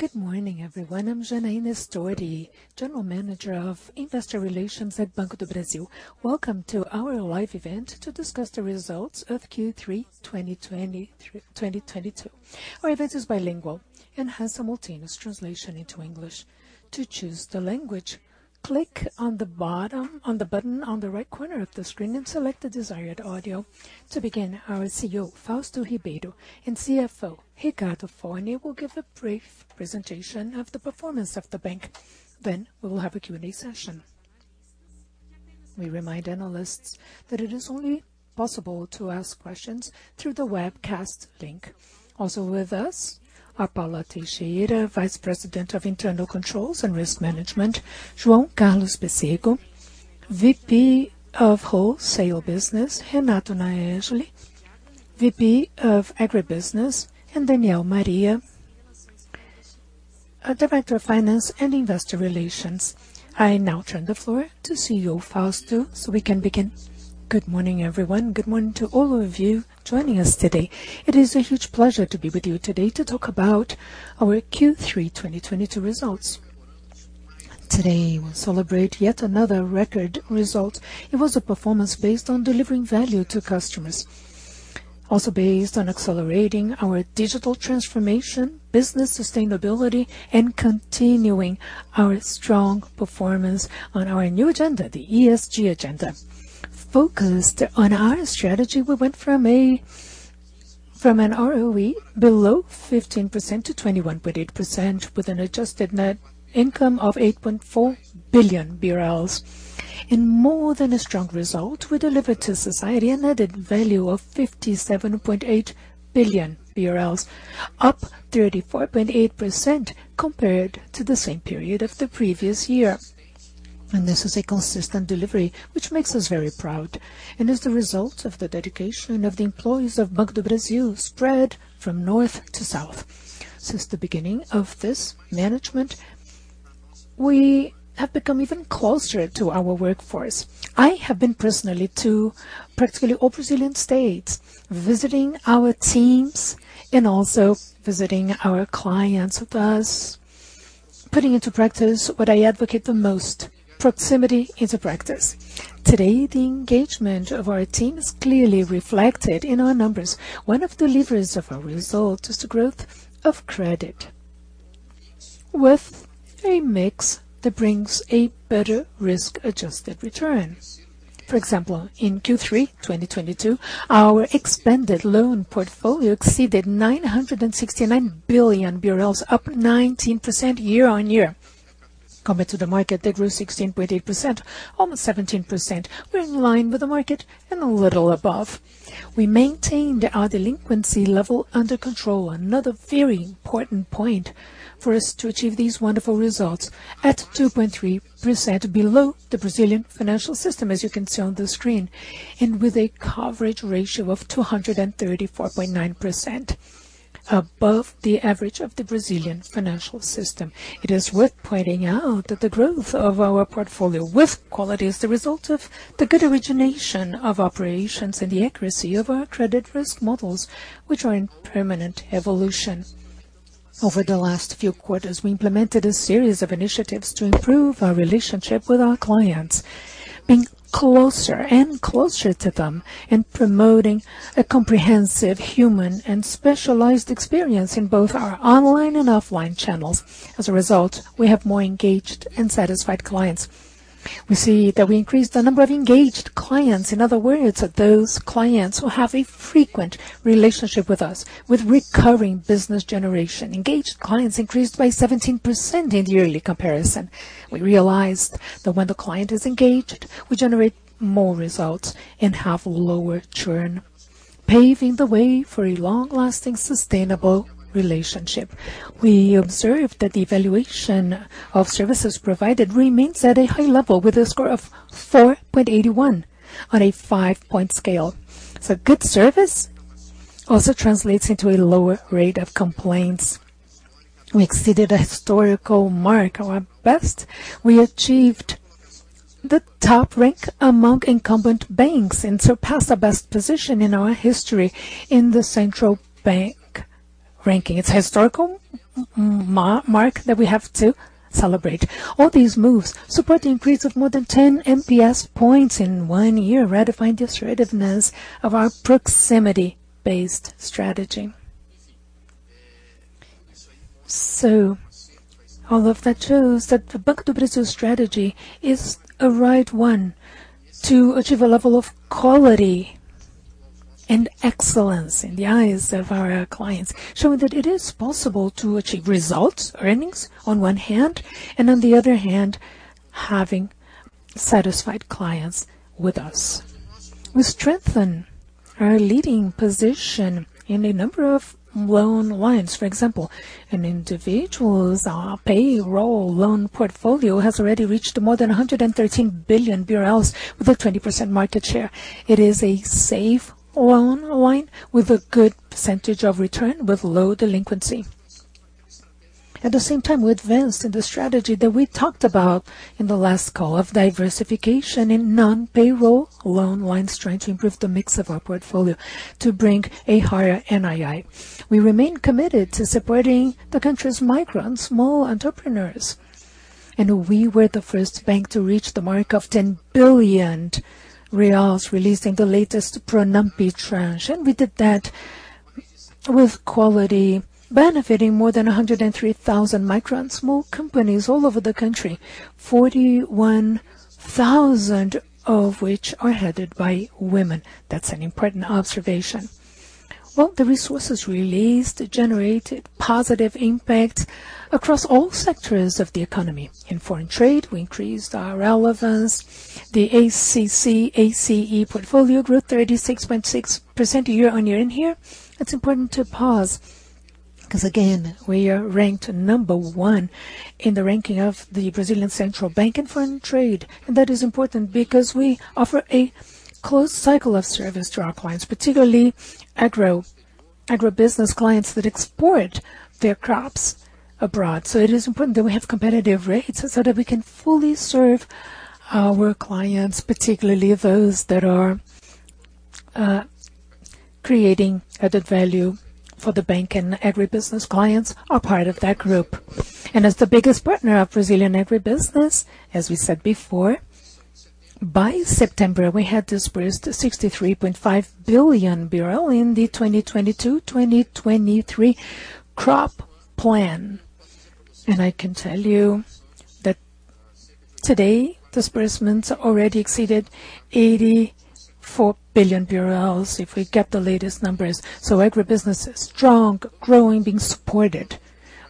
Good morning, everyone. I'm Janaína Storti, General Manager of Investor Relations at Banco do Brasil. Welcome to our live event to discuss the results of Q3 2022. Our event is bilingual and has simultaneous translation into English. To choose the language, click on the button on the right corner of the screen and select the desired audio. To begin, our CEO, Fausto Ribeiro, and CFO, Ricardo Forni, will give a brief presentation of the performance of the bank. We will have a Q&A session. We remind analysts that it is only possible to ask questions through the webcast link. Also with us are Paula Teixeira, Vice President of Internal Controls and Risk Management, João Carlos Pecego, VP of Wholesale Business, Renato Naegele, VP of Agribusiness, and Daniel Maria, Director of Finance and Investor Relations. I now turn the floor to CEO Fausto so we can begin. Good morning, everyone. Good morning to all of you joining us today. It is a huge pleasure to be with you today to talk about our Q3 2022 results. Today, we celebrate yet another record result. It was a performance based on delivering value to customers. Also based on accelerating our digital transformation, business sustainability, and continuing our strong performance on our new agenda, the ESG agenda. Focused on our strategy, we went from an ROE below 15%-21.8%, with an adjusted net income of 8.4 billion BRL. In more than a strong result, we delivered to society an added value of 57.8 billion BRL, up 34.8% compared to the same period of the previous year. This is a consistent delivery, which makes us very proud, and is the result of the dedication of the employees of Banco do Brasil, spread from north to south. Since the beginning of this management, we have become even closer to our workforce. I have been personally to practically all Brazilian states, visiting our teams and also visiting our clients with us, putting into practice what I advocate the most, proximity in practice. Today, the engagement of our team is clearly reflected in our numbers. One of the levers of our result is the growth of credit with a mix that brings a better risk-adjusted return. For example, in Q3 2022, our expanded loan portfolio exceeded 969 billion BRL, up 19% year-on-year, compared to the market that grew 16.8%, almost 17%. We're in line with the market and a little above. We maintained our delinquency level under control, another very important point for us to achieve these wonderful results, at 2.3% below the Brazilian financial system, as you can see on the screen, and with a coverage ratio of 234.9% above the average of the Brazilian financial system. It is worth pointing out that the growth of our portfolio with quality is the result of the good origination of operations and the accuracy of our credit risk models, which are in permanent evolution. Over the last few quarters, we implemented a series of initiatives to improve our relationship with our clients, being closer and closer to them and promoting a comprehensive human and specialized experience in both our online and offline channels. As a result, we have more engaged and satisfied clients. We see that we increased the number of engaged clients, in other words, those clients who have a frequent relationship with us with recurring business generation. Engaged clients increased by 17% in the yearly comparison. We realized that when the client is engaged, we generate more results and have lower churn, paving the way for a long-lasting, sustainable relationship. We observed that the evaluation of services provided remains at a high level with a score of 4.81 on a 5-point scale. Good service also translates into a lower rate of complaints. We exceeded a historical mark. Our best, we achieved the top rank among incumbent banks and surpassed our best position in our history in the central bank ranking. It's a historical mark that we have to celebrate. All these moves support the increase of more than 10 NPS points in one year, ratifying the assertiveness of our proximity-based strategy. All of that shows that the Banco do Brasil strategy is a right one to achieve a level of quality and excellence in the eyes of our clients, showing that it is possible to achieve results, earnings, on one hand, and on the other hand, having satisfied clients with us. We strengthen our leading position in a number of loan lines. For example, in individuals, our payroll loan portfolio has already reached more than 113 billion BRL with a 20% market share. It is a safe loan line with a good percentage of return with low delinquency. At the same time, we advanced in the strategy that we talked about in the last call of diversification in non-payroll loan lines, trying to improve the mix of our portfolio to bring a higher NII. We remain committed to supporting the country's micro and small entrepreneurs. We were the first bank to reach the mark of 10 billion reais, releasing the latest Pronampe tranche. We did that with quality, benefiting more than 103,000 micro and small companies all over the country. 41,000 of which are headed by women. That's an important observation. Well, the resources released generated positive impacts across all sectors of the economy. In foreign trade, we increased our relevance. The ACC/ACE portfolio grew 36.6% year-on-year in here. It's important to pause, 'cause again, we are ranked number one in the ranking of the Brazilian Central Bank in foreign trade. That is important because we offer a closed cycle of service to our clients, particularly agro, agribusiness clients that export their crops abroad. It is important that we have competitive rates so that we can fully serve our clients, particularly those that are creating added value for the bank, and agribusiness clients are part of that group. As the biggest partner of Brazilian agribusiness, as we said before, by September, we had disbursed 63.5 billion in the 2022-2023 crop plan. I can tell you that today, disbursements already exceeded 84 billion BRL if we get the latest numbers. Agribusiness is strong, growing, being supported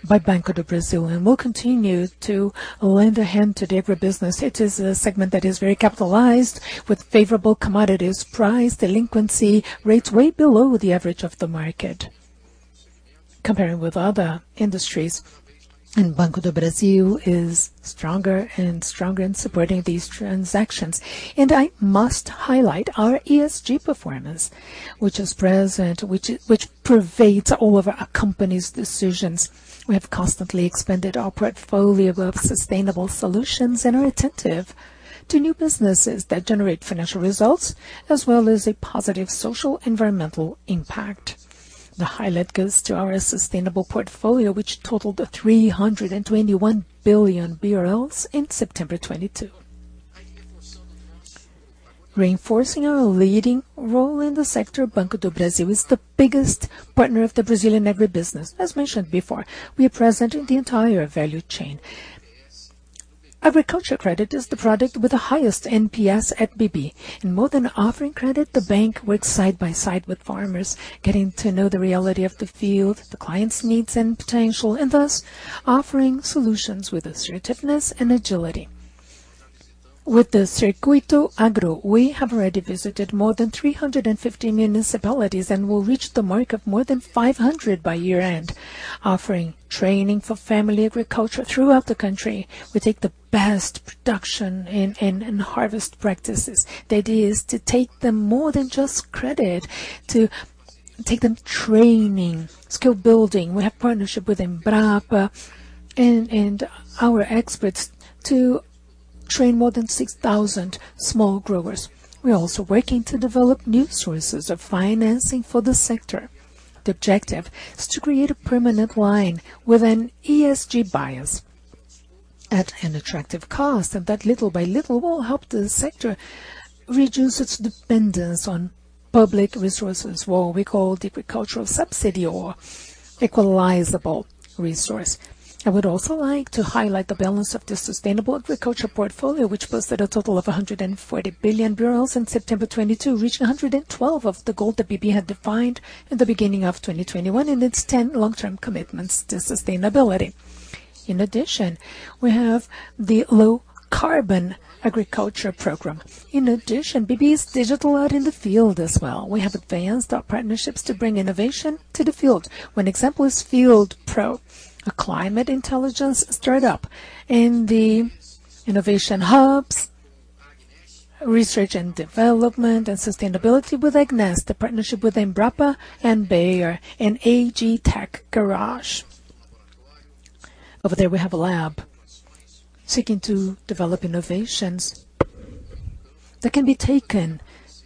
by Banco do Brasil, and we'll continue to lend a hand to the agribusiness. It is a segment that is very capitalized with favorable commodities price, delinquency rates way below the average of the market comparing with other industries. Banco do Brasil is stronger and stronger in supporting these transactions. I must highlight our ESG performance, which is present, which pervades all of our company's decisions. We have constantly expanded our portfolio of sustainable solutions and are attentive to new businesses that generate financial results, as well as a positive social environmental impact. The highlight goes to our sustainable portfolio, which totaled 321 billion BRL in September 2022. Reinforcing our leading role in the sector, Banco do Brasil is the biggest partner of the Brazilian agribusiness. As mentioned before, we are present in the entire value chain. Agriculture credit is the product with the highest NPS at BB. It's more than offering credit, the bank works side by side with farmers, getting to know the reality of the field, the client's needs and potential, and thus offering solutions with assertiveness and agility. With the Circuito Agro, we have already visited more than 350 municipalities and will reach the mark of more than 500 by year-end, offering training for family agriculture throughout the country. We take the best production and harvest practices. The idea is to take to them more than just credit, to take to them training, skill building. We have partnership with Embrapa and our experts to train more than 6,000 small growers. We're also working to develop new sources of financing for the sector. The objective is to create a permanent line with an ESG bias at an attractive cost, and that little by little will help the sector reduce its dependence on public resources, what we call the agricultural subsidy or equalizable resource. I would also like to highlight the balance of the sustainable agriculture portfolio, which posted a total of 140 billion BRL in September 2022, reaching 112% of the goal that BB had defined in the beginning of 2021 in its 10 long-term commitments to sustainability. In addition, we have the low carbon agriculture program. In addition, BB is digital out in the field as well. We have advanced our partnerships to bring innovation to the field. One example is FieldPRO, a climate intelligence startup in the innovation hubs, research and development and sustainability with AgNest, the partnership with Embrapa and Bayer in AgTech Garage. Over there, we have a lab seeking to develop innovations that can be taken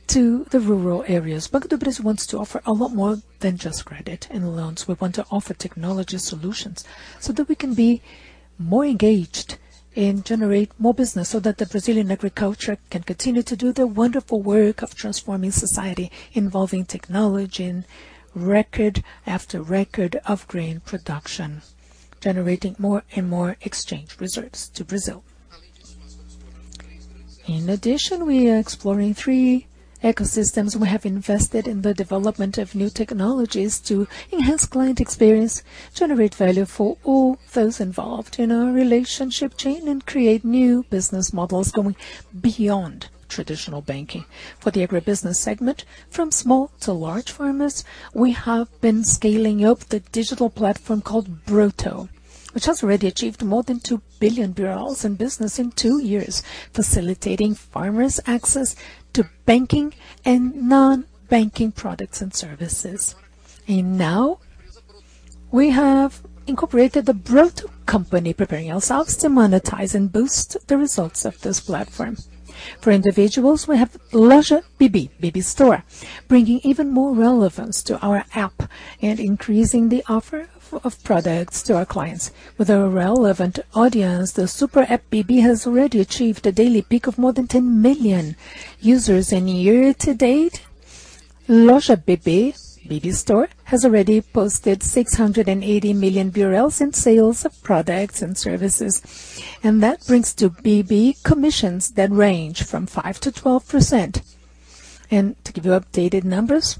to the rural areas. Banco do Brasil wants to offer a lot more than just credit and loans. We want to offer technology solutions, so that we can be more engaged and generate more business, so that the Brazilian agriculture can continue to do the wonderful work of transforming society, involving technology in record after record of grain production, generating more and more exchange reserves to Brazil. In addition, we are exploring three ecosystems. We have invested in the development of new technologies to enhance client experience, generate value for all those involved in our relationship chain, and create new business models going beyond traditional banking. For the agribusiness segment, from small to large farmers, we have been scaling up the digital platform called Broto, which has already achieved more than 2 billion BRL in business in two years, facilitating farmers' access to banking and non-banking products and services. We have incorporated the Broto company, preparing ourselves to monetize and boost the results of this platform. For individuals, we have Loja BB Store, bringing even more relevance to our app and increasing the offer of products to our clients. With a relevant audience, the super app BB has already achieved a daily peak of more than 10 million users. Year to date, Loja BB Store, has already posted 680 million in sales of products and services. That brings to BB commissions that range from 5%-12%. To give you updated numbers,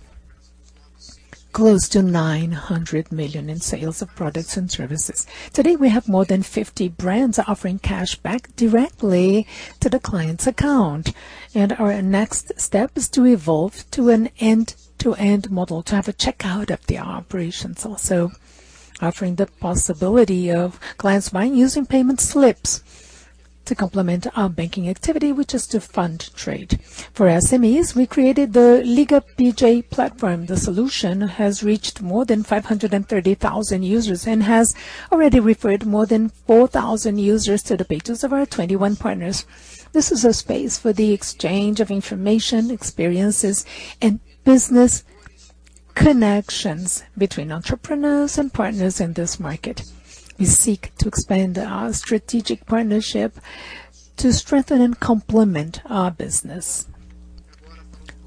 close to 900 million in sales of products and services. Today, we have more than 50 brands offering cashback directly to the client's account. Our next step is to evolve to an end-to-end model to have a checkout of the operations. Also offering the possibility of clients buying using payment slips to complement our banking activity, which is to fund trade. For SMEs, we created the Liga PJ platform. The solution has reached more than 530,000 users and has already referred more than 4,000 users to the pages of our 21 partners. This is a space for the exchange of information, experiences, and business connections between entrepreneurs and partners in this market. We seek to expand our strategic partnership to strengthen and complement our business.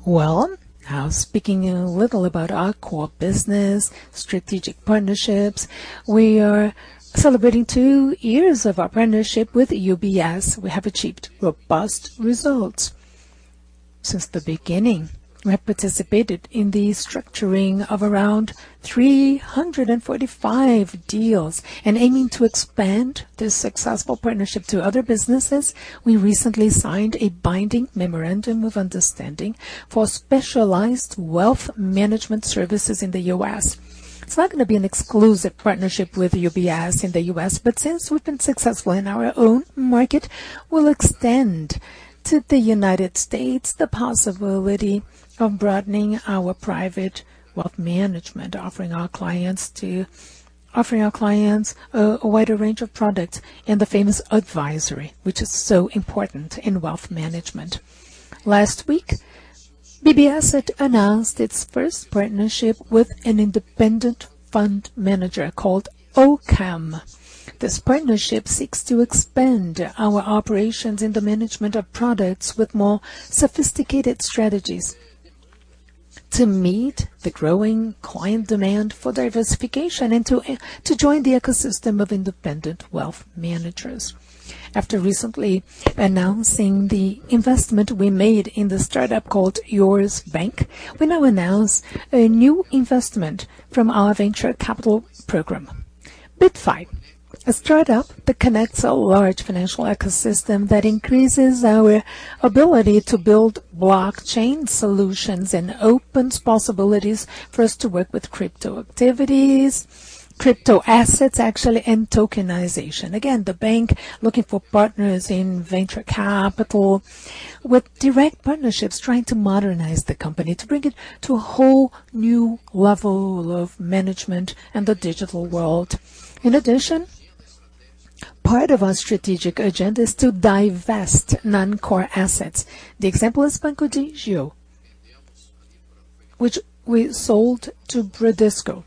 Well, now speaking a little about our core business, strategic partnerships, we are celebrating two years of our partnership with UBS. We have achieved robust results. Since the beginning, we have participated in the structuring of around 345 deals. Aiming to expand this successful partnership to other businesses, we recently signed a binding memorandum of understanding for specialized wealth management services in the U.S. It's not gonna be an exclusive partnership with UBS in the U.S., but since we've been successful in our own market, we'll extend to the United States the possibility of broadening our private wealth management, offering our clients a wider range of products and the famous advisory, which is so important in wealth management. Last week, BB Asset announced its first partnership with an independent fund manager called Occam. This partnership seeks to expand our operations in the management of products with more sophisticated strategies to meet the growing client demand for diversification and to join the ecosystem of independent wealth managers. After recently announcing the investment we made in the startup called Yours Bank, we now announce a new investment from our Venture Capital Program, Bitfy, a startup that connects a large financial ecosystem that increases our ability to build blockchain solutions and opens possibilities for us to work with crypto activities, crypto assets, actually, and tokenization. Again, the bank looking for partners in venture capital with direct partnerships, trying to modernize the company to bring it to a whole new level of management and the digital world. In addition, part of our strategic agenda is to divest non-core assets. The example is Banco Digio, which we sold to Bradesco,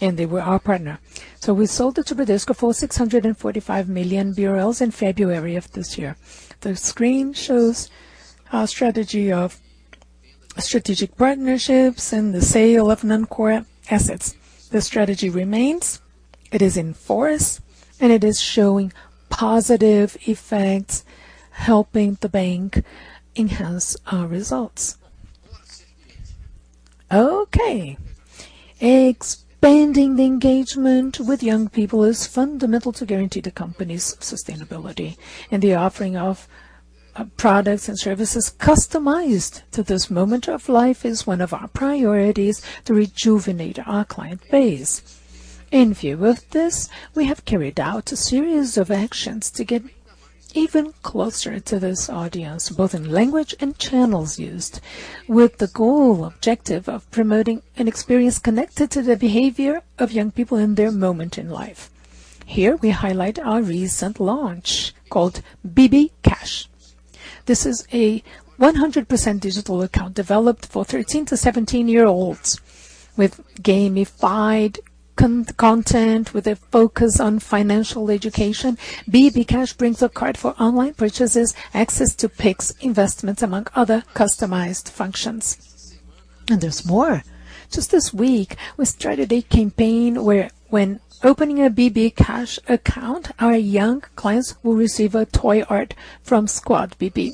and they were our partner. We sold it to Bradesco for 645 million BRL in February of this year. The screen shows our strategy of strategic partnerships and the sale of non-core assets. The strategy remains, it is in force, and it is showing positive effects, helping the bank enhance our results. Okay. Expanding the engagement with young people is fundamental to guarantee the company's sustainability. The offering of products and services customized to this moment of life is one of our priorities to rejuvenate our client base. In view of this, we have carried out a series of actions to get even closer to this audience, both in language and channels used, with the goal objective of promoting an experience connected to the behavior of young people in their moment in life. Here, we highlight our recent launch called BB Cash. This is a 100% digital account developed for 13 to 17-year-olds with gamified content with a focus on financial education. BB Cash brings a card for online purchases, access to Pix investments, among other customized functions. There's more. Just this week, we started a campaign where when opening a BB Cash account, our young clients will receive a toy art from Squad BB.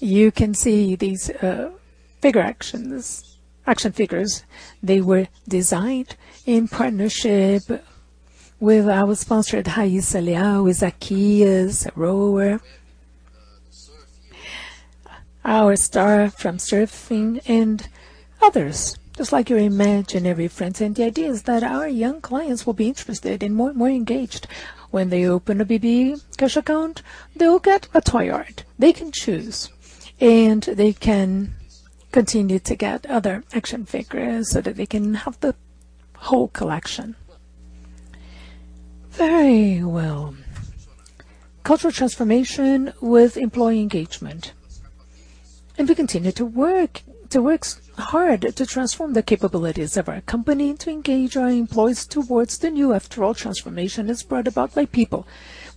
You can see these, figure actions, action figures. They were designed in partnership with our sponsored Rayssa Leal, with Ítalo Ferreira, our star from surfing, and others, just like your imaginary friends. The idea is that our young clients will be interested and more engaged. When they open a BB Cash account, they will get a toy art. They can choose, and they can continue to get other action figures so that they can have the whole collection. Very well. Cultural transformation with employee engagement. We continue to work hard to transform the capabilities of our company to engage our employees towards the new. After all, transformation is brought about by people.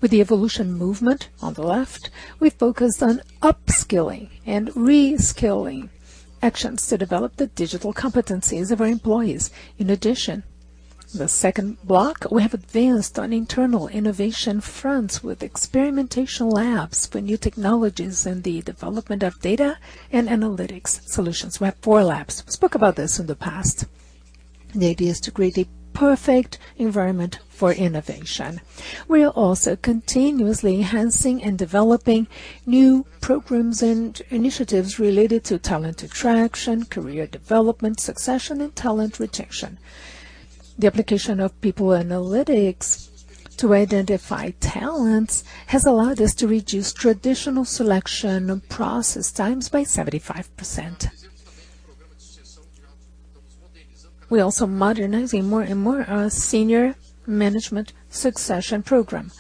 With the evolution movement on the left, we focused on upskilling and reskilling actions to develop the digital competencies of our employees. In addition, the second block, we have advanced on internal innovation fronts with experimentation labs for new technologies and the development of data and analytics solutions. We have four labs. We spoke about this in the past. The idea is to create a perfect environment for innovation. We are also continuously enhancing and developing new programs and initiatives related to talent attraction, career development, succession, and talent retention. The application of people analytics to identify talents has allowed us to reduce traditional selection process times by 75%. We're also modernizing more and more our senior management succession program.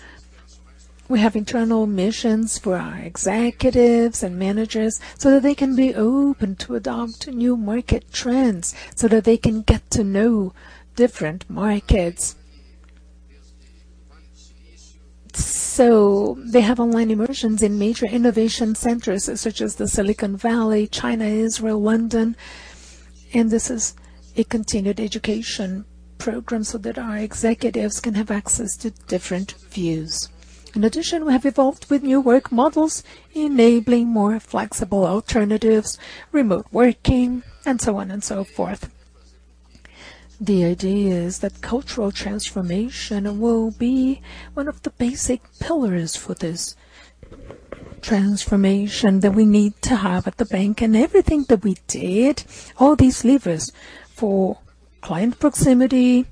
We have internal missions for our executives and managers so that they can be open to adopt new market trends, so that they can get to know different markets. They have online immersions in major innovation centers such as the Silicon Valley, China, Israel, London, and this is a continued education program so that our executives can have access to different views. In addition, we have evolved with new work models enabling more flexible alternatives, remote working, and so on and so forth. The idea is that cultural transformation will be one of the basic pillars for this transformation that we need to have at the bank. Everything that we did, all these levers for client proximity,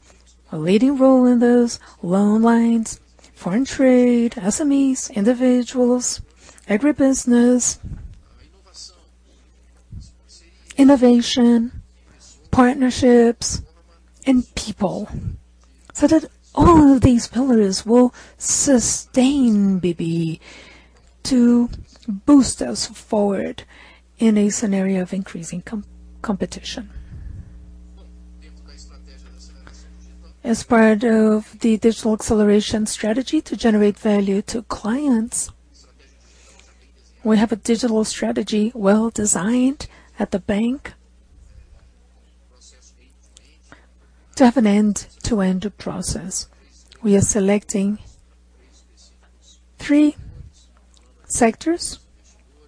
a leading role in those loan lines, foreign trade, SMEs, individuals, agribusiness, innovation, partnerships, and people, so that all of these pillars will sustain BB to boost us forward in a scenario of increasing competition. As part of the digital acceleration strategy to generate value to clients, we have a digital strategy well-designed at the bank to have an end-to-end process. We are selecting three sectors,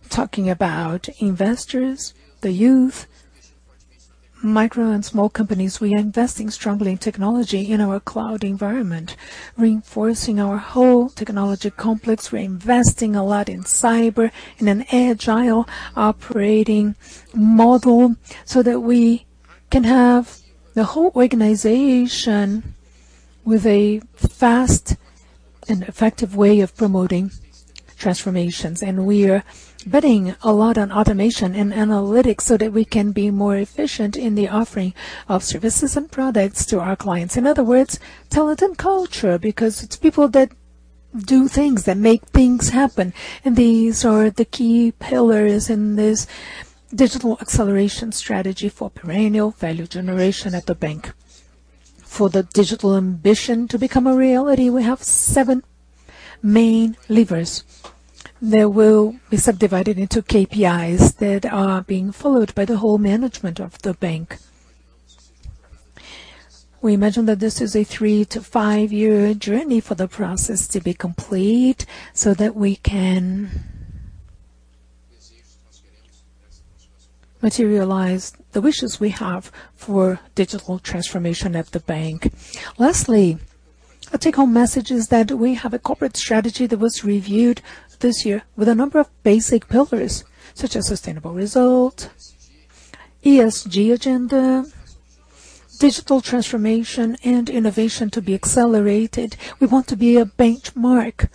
talking about investors, the youth, micro and small companies. We are investing strongly in technology in our cloud environment, reinforcing our whole technology complex. We're investing a lot in cyber, in an agile operating model, so that we can have the whole organization with a fast and effective way of promoting transformations. We are betting a lot on automation and analytics so that we can be more efficient in the offering of services and products to our clients. In other words, talent and culture, because it's people that do things, that make things happen. These are the key pillars in this digital acceleration strategy for perennial value generation at the bank. For the digital ambition to become a reality, we have seven main levers that will be subdivided into KPIs that are being followed by the whole management of the bank. We imagine that this is a three to five-year journey for the process to be complete, so that we can materialize the wishes we have for digital transformation at the bank. Lastly, a take-home message is that we have a corporate strategy that was reviewed this year with a number of basic pillars, such as sustainable result, ESG agenda, digital transformation, and innovation to be accelerated. We want to be a benchmark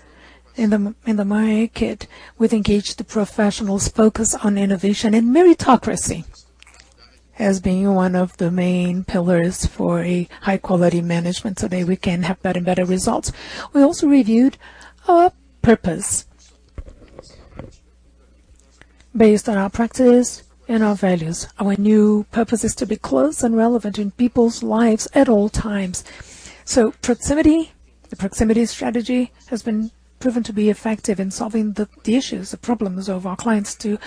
in the market with engaged professionals focused on innovation. Meritocracy as being one of the main pillars for a high-quality management, so that we can have better and better results. We also reviewed our purpose based on our practice and our values. Our new purpose is to be close and relevant in people's lives at all times. Proximity, the proximity strategy has been proven to be effective in solving the issues, the problems of our clients to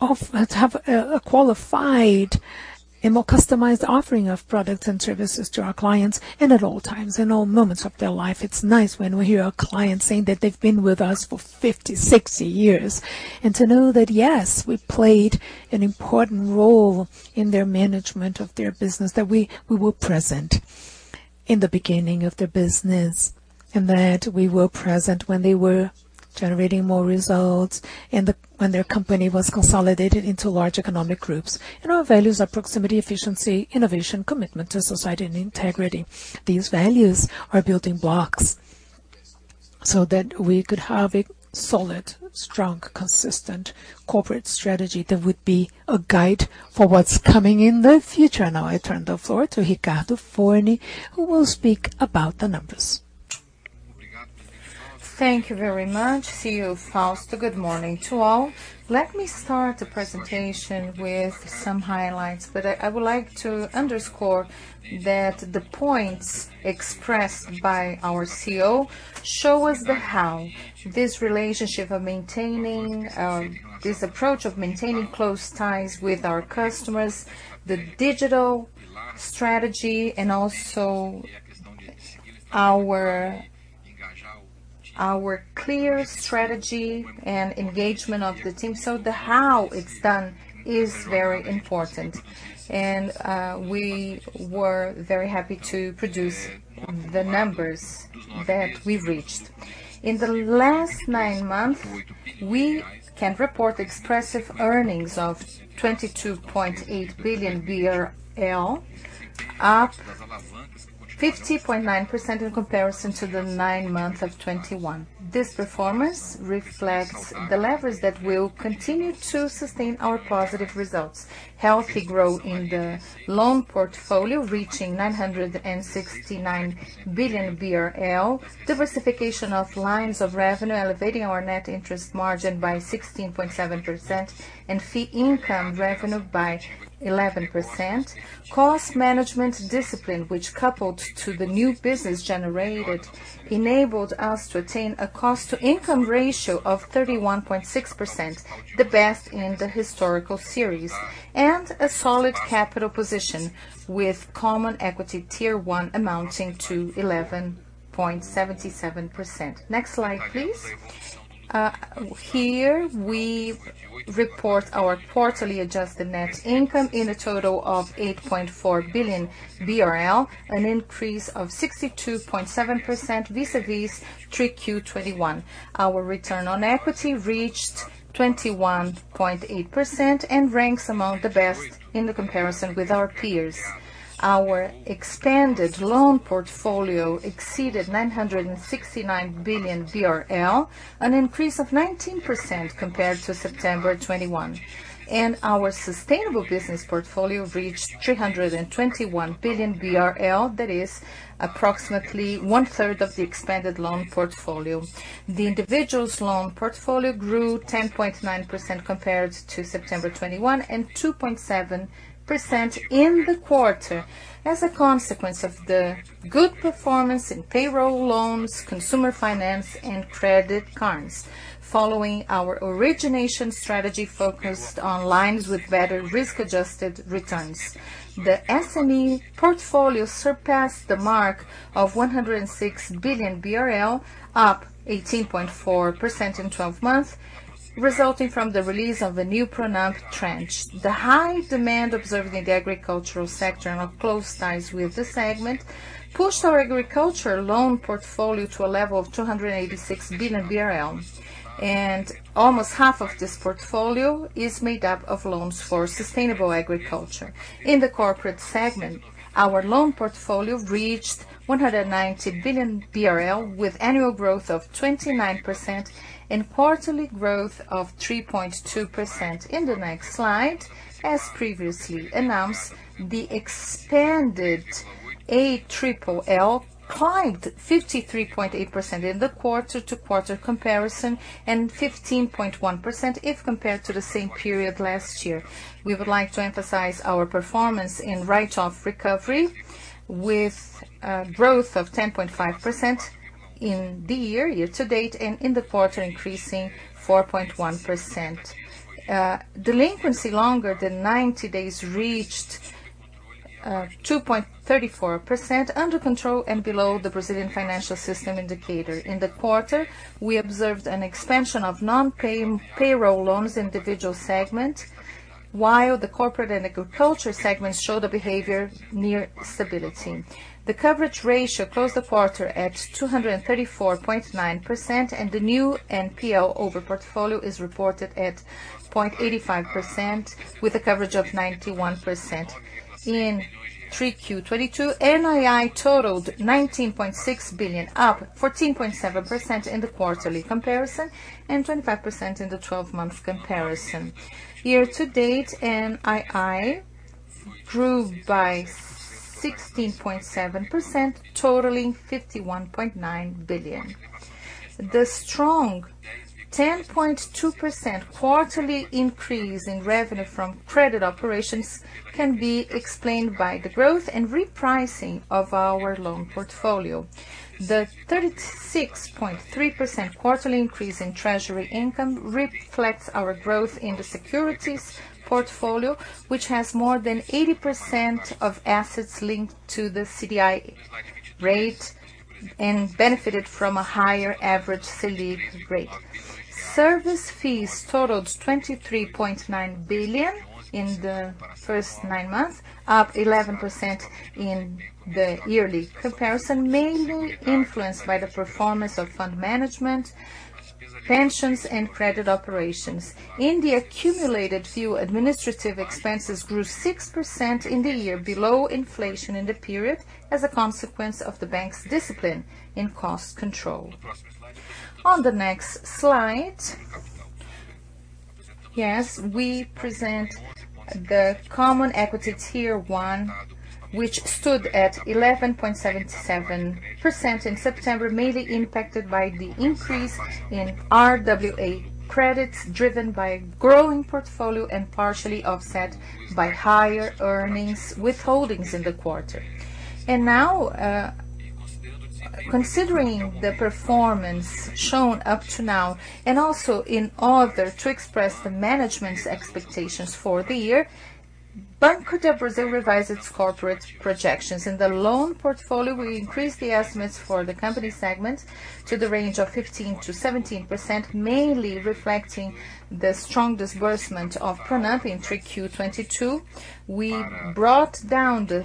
have a qualified and more customized offering of products and services to our clients, and at all times, in all moments of their life. It's nice when we hear our clients saying that they've been with us for 50, 60 years, and to know that, yes, we played an important role in their management of their business, that we were present in the beginning of their business, and that we were present when they were generating more results when their company was consolidated into large economic groups. Our values are proximity, efficiency, innovation, commitment to society, and integrity. `These values are building blocks. So that we could have a solid, strong, consistent corporate strategy that would be a guide for what's coming in the future. Now, I turn the floor to Ricardo Forni, who will speak about the numbers. Thank you very much, CEO Fausto. Good morning to all. Let me start the presentation with some highlights, but I would like to underscore that the points expressed by our CEO show us how this approach of maintaining close ties with our customers, the digital strategy, and also our clear strategy and engagement of the team. The how it's done is very important. We were very happy to produce the numbers that we've reached. In the last nine months, we can report expressive earnings of 22.8 billion BRL, up 50.9% in comparison to the nine months of 2021. This performance reflects the levers that will continue to sustain our positive results. Healthy growth in the loan portfolio, reaching 969 billion BRL. Diversification of lines of revenue, elevating our net interest margin by 16.7%, and fee income revenue by 11%. Cost management discipline, which coupled to the new business generated, enabled us to attain a cost-to-income ratio of 31.6%, the best in the historical series. A solid capital position with Common Equity Tier 1 amounting to 11.77%. Next slide, please. Here we report our quarterly adjusted net income in a total of 8.4 billion BRL, an increase of 62.7% vis-à-vis 3Q 2021. Our return on equity reached 21.8% and ranks among the best in the comparison with our peers. Our extended loan portfolio exceeded 969 billion BRL, an increase of 19% compared to September 2021. Our sustainable business portfolio reached 321 billion BRL, that is approximately 1/3 of the expanded loan portfolio. The individual's loan portfolio grew 10.9% compared to September 2021 and 2.7% in the quarter as a consequence of the good performance in payroll loans, consumer finance and credit cards. Following our origination strategy focused on lines with better risk-adjusted returns. The SME portfolio surpassed the mark of 106 billion BRL, up 18.4% in 12 months, resulting from the release of the new Pronampe tranche. The high demand observed in the agricultural sector and our close ties with the segment pushed our agriculture loan portfolio to a level of 286 billion BRL, and almost half of this portfolio is made up of loans for sustainable agriculture. In the corporate segment, our loan portfolio reached 190 billion BRL with annual growth of 29% and quarterly growth of 3.2%. In the next slide, as previously announced, the expanded ALLL climbed 53.8% in the quarter-over-quarter comparison and 15.1% if compared to the same period last year. We would like to emphasize our performance in write-off recovery with growth of 10.5% in the year-to-date, and in the quarter increasing 4.1%. Delinquency longer than 90 days reached 2.34% under control and below the Brazilian financial system indicator. In the quarter, we observed an expansion of non-payroll loans individual segment, while the corporate and agriculture segments show the behavior near stability. The coverage ratio closed the quarter at 234.9%, and the new NPL over portfolio is reported at 0.85% with a coverage of 91%. In 3Q 2022, NII totaled 19.6 billion, up 14.7% in the quarterly comparison and 25% in the 12-month comparison. Year to date, NII grew by 16.7%, totaling BRL 51.9 billion. The strong 10.2% quarterly increase in revenue from credit operations can be explained by the growth and repricing of our loan portfolio. The 36.3% quarterly increase in treasury income reflects our growth in the securities portfolio, which has more than 80% of assets linked to the CDI rate and benefited from a higher average CDI rate. Service fees totaled 23.9 billion in the first nine months, up 11% in the yearly comparison, mainly influenced by the performance of fund management, pensions and credit operations. In the accumulated view, administrative expenses grew 6% in the year below inflation in the period, as a consequence of the bank's discipline in cost control. On the next slide, yes, we present the common equity tier one, which stood at 11.77% in September, mainly impacted by the increase in RWA credits, driven by growing portfolio and partially offset by higher earnings withholdings in the quarter. Considering the performance shown up to now and also in order to express the management's expectations for the year, Banco do Brasil revised its corporate projections. In the loan portfolio, we increased the estimates for the company segment to the range of 15%-17%, mainly reflecting the strong disbursement of Pronampe in 3Q 2022. We brought down to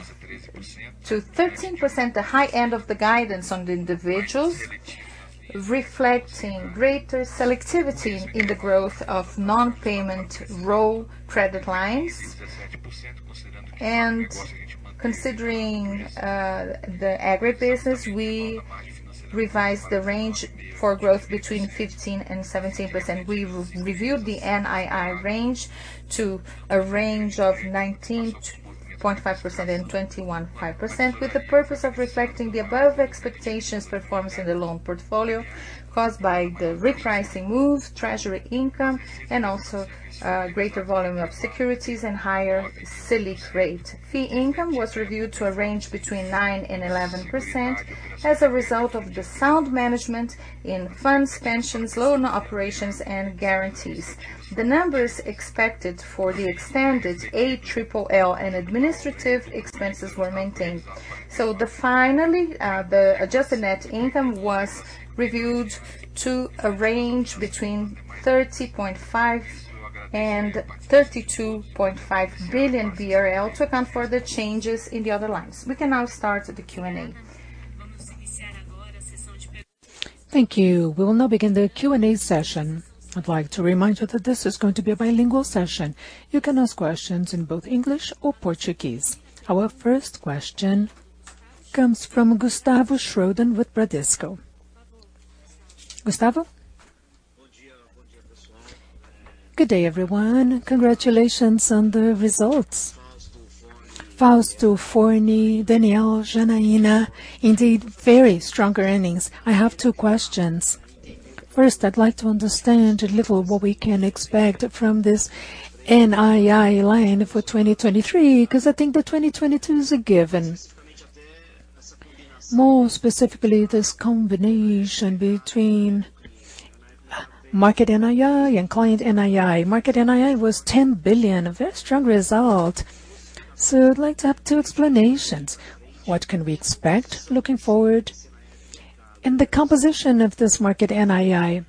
13% the high end of the guidance on the individuals, reflecting greater selectivity in the growth of non-payment roll credit lines. Considering the agribusiness, we revised the range for growth between 15% and 17%. We re-reviewed the NII range to a range of 19.5% and 21.5% with the purpose of reflecting the above expectations performance in the loan portfolio caused by the repricing move, treasury income, and also greater volume of securities and higher Selic rate. Fee income was reviewed to a range between 9% and 11% as a result of the sound management in funds, pensions, loan operations, and guarantees. The numbers expected for the extended ALLL and administrative expenses were maintained. Finally, the adjusted net income was reviewed to a range between 30.5 billion and 32.5 billion BRL to account for the changes in the other lines. We can now start the Q&A. T`hank you. We will now begin the Q&A session. I'd like to remind you that this is going to be a bilingual session. You can ask questions in both English or Portuguese. Our first question comes from Gustavo Schroden with Bradesco. Gustavo. `Good day, everyone. Congratulations on the results. Fausto, Forni, Daniel, Janaína, indeed, very strong earnings. I have two questions. First, I'd like to understand a little what we can expect from this NII line for 2023, 'cause I think the 2022 is a given. More specifically, this combination between market NII and client NII. Market NII was 10 billion, a very strong result. I'd like to have two explanations. What can we expect looking forward? And the composition of this market NII.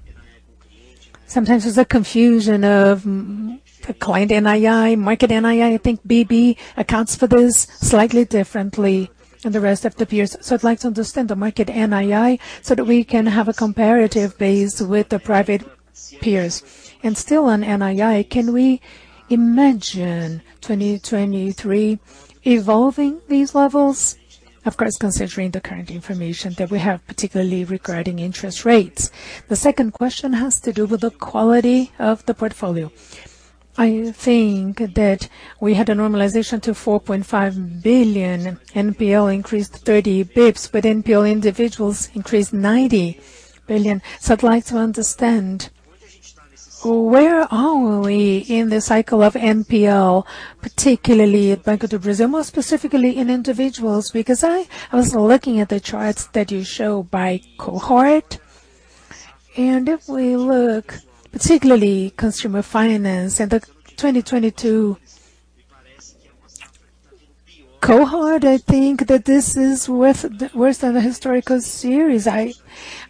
Sometimes there's a confusion of client NII, market NII. I think BB accounts for this slightly differently than the rest of the peers. I'd like to understand the market NII so that we can have a comparative base with the private peers. Still on NII, can we imagine 2023 evolving these levels? Of course, considering the current information that we have, particularly regarding interest rates. The second question has to do with the quality of the portfolio. I think that we had a normalization to 4.5 billion. NPL increased 30 basis points, but NPL individuals increased 90 basis points. I'd like to understand where are we in the cycle of NPL, particularly at Banco do Brasil, more specifically in individuals, because I was looking at the charts that you show by cohort. If we look particularly consumer finance and the 2022 cohort, I think that this is worse than the historical series. I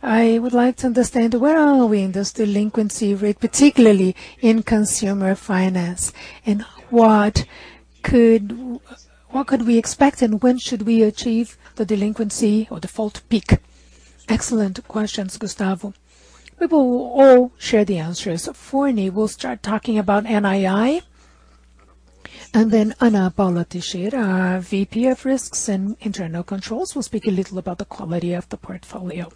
would like to understand where are we in this delinquency rate, particularly in consumer finance? What could we expect and when should we achieve the delinquency or default peak? Excellent questions, Gustavo. We will all share the answers. Forni will start talking about NII, and then Ana Paula Teixeira, our VP of Risks and Internal Controls, will speak a little about the quality of the portfolio.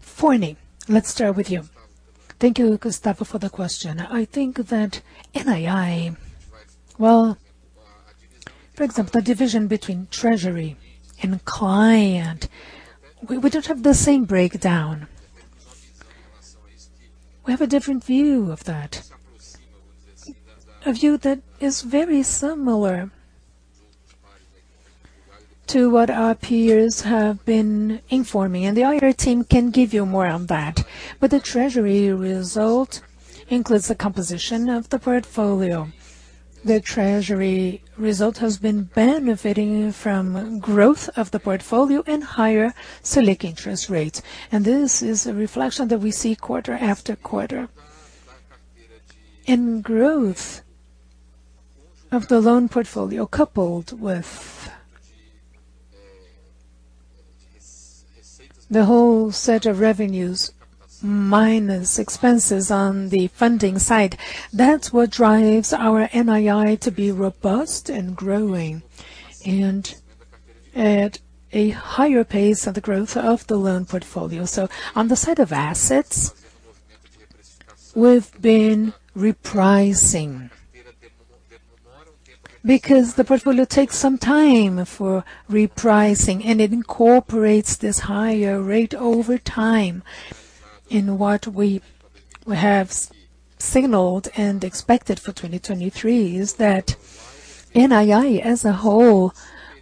Forni, let's start with you. Thank you, Gustavo, for the question. I think that NII, well, for example, the division between treasury and client, we don't have the same breakdown. We have a different view of that. A view that is very similar to what our peers have been informing, and the IR team can give you more on that. The treasury result includes the composition of the portfolio. The treasury result has been benefiting from growth of the portfolio and higher Selic interest rate. This is a reflection that we see quarter after quarter. Growth of the loan portfolio coupled with the whole set of revenues minus expenses on the funding side, that's what drives our NII to be robust and growing, and at a higher pace of the growth of the loan portfolio. On the side of assets, we've been repricing. Because the portfolio takes some time for repricing, and it incorporates this higher rate over time in what we have signaled and expected for 2023, is that NII as a whole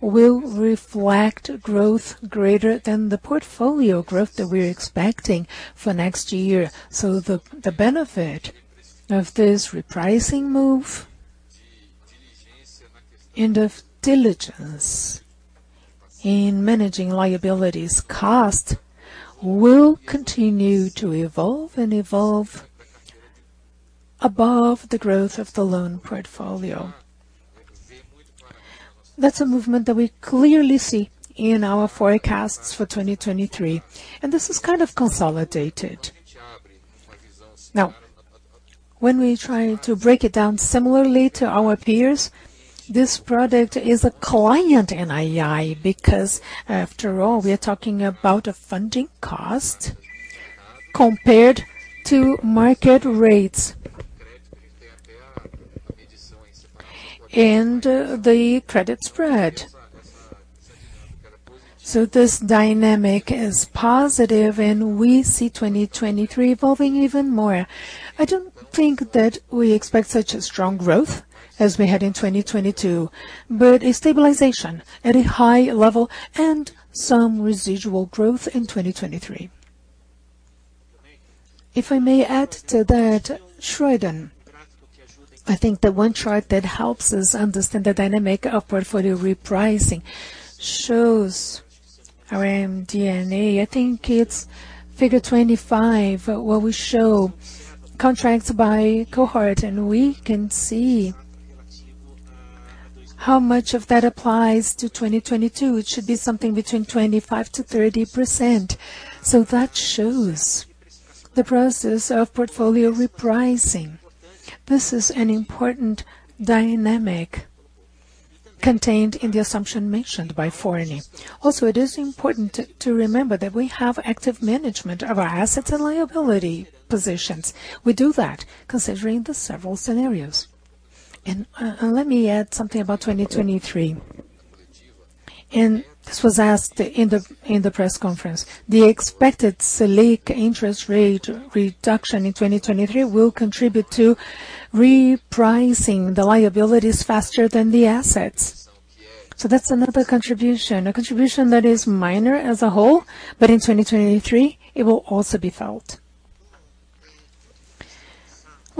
will reflect growth greater than the portfolio growth that we're expecting for next year. The benefit of this repricing move and of diligence in managing liabilities cost will continue to evolve above the growth of the loan portfolio. That's a movement that we clearly see in our forecasts for 2023, and this is kind of consolidated. Now, when we try to break it down similarly to our peers, this probably is client NII because after all, we are talking about a funding cost compared to market rates and the credit spread. This dynamic is positive and we see 2023 evolving even more. I don't think that we expect such a strong growth as we had in 2022, but a stabilization at a high level and some residual growth in 2023. If I may add to that, Schroden, I think the one chart that helps us understand the dynamic of portfolio repricing shows our MD&A. I think it's figure 25%, where we show contracts by cohort, and we can see how much of that applies to 2022. It should be something between 25%-30%. That shows the process of portfolio repricing. This is an important dynamic contained in the assumption mentioned by Forni. Also, it is important to remember that we have active management of our assets and liability positions. We do that considering the several scenarios. Let me add something about 2023. This was asked in the press conference. The expected Selic interest rate reduction in 2023 will contribute to repricing the liabilities faster than the assets. That's another contribution, a contribution that is minor as a whole, but in 2023, it will also be felt.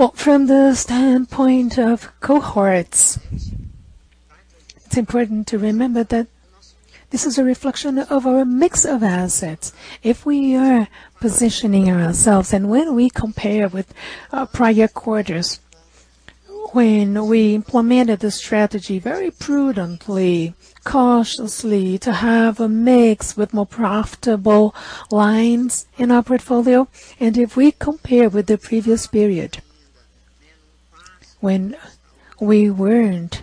Well, from the standpoint of cohorts, it's important to remember that this is a reflection of our mix of assets. If we are positioning ourselves, and when we compare with our prior quarters, when we implemented the strategy very prudently, cautiously, to have a mix with more profitable lines in our portfolio, and if we compare with the previous period when we weren't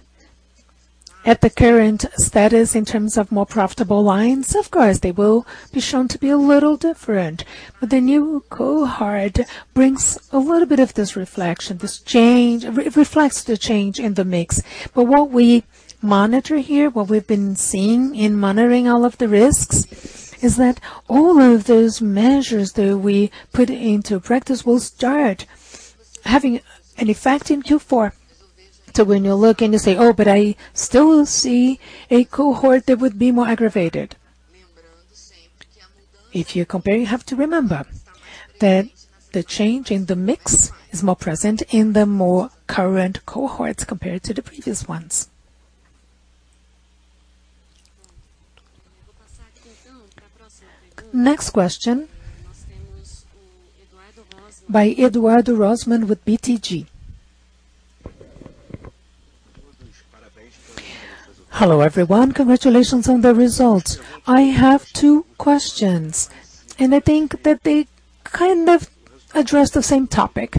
at the current status in terms of more profitable lines, of course, they will be shown to be a little different. The new cohort brings a little bit of this reflection, this change. It reflects the change in the mix. What we monitor here, what we've been seeing in monitoring all of the risks, is that all of those measures that we put into practice will start having an effect in Q4. When you look and you say, "Oh, but I still see a cohort that would be more aggravated." If you compare, you have to remember that the change in the mix is more present in the more current cohorts compared to the previous ones. Next question by Eduardo Rosman with BTG. Hello, everyone. Congratulations on the results. I have two questions, and I think that they kind of address the same topic.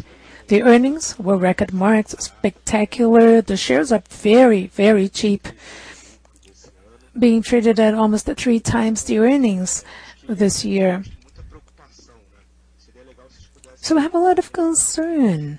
The earnings were record marks, spectacular. The shares are very, very cheap, being traded at almost three times the earnings this year. I have a lot of concern.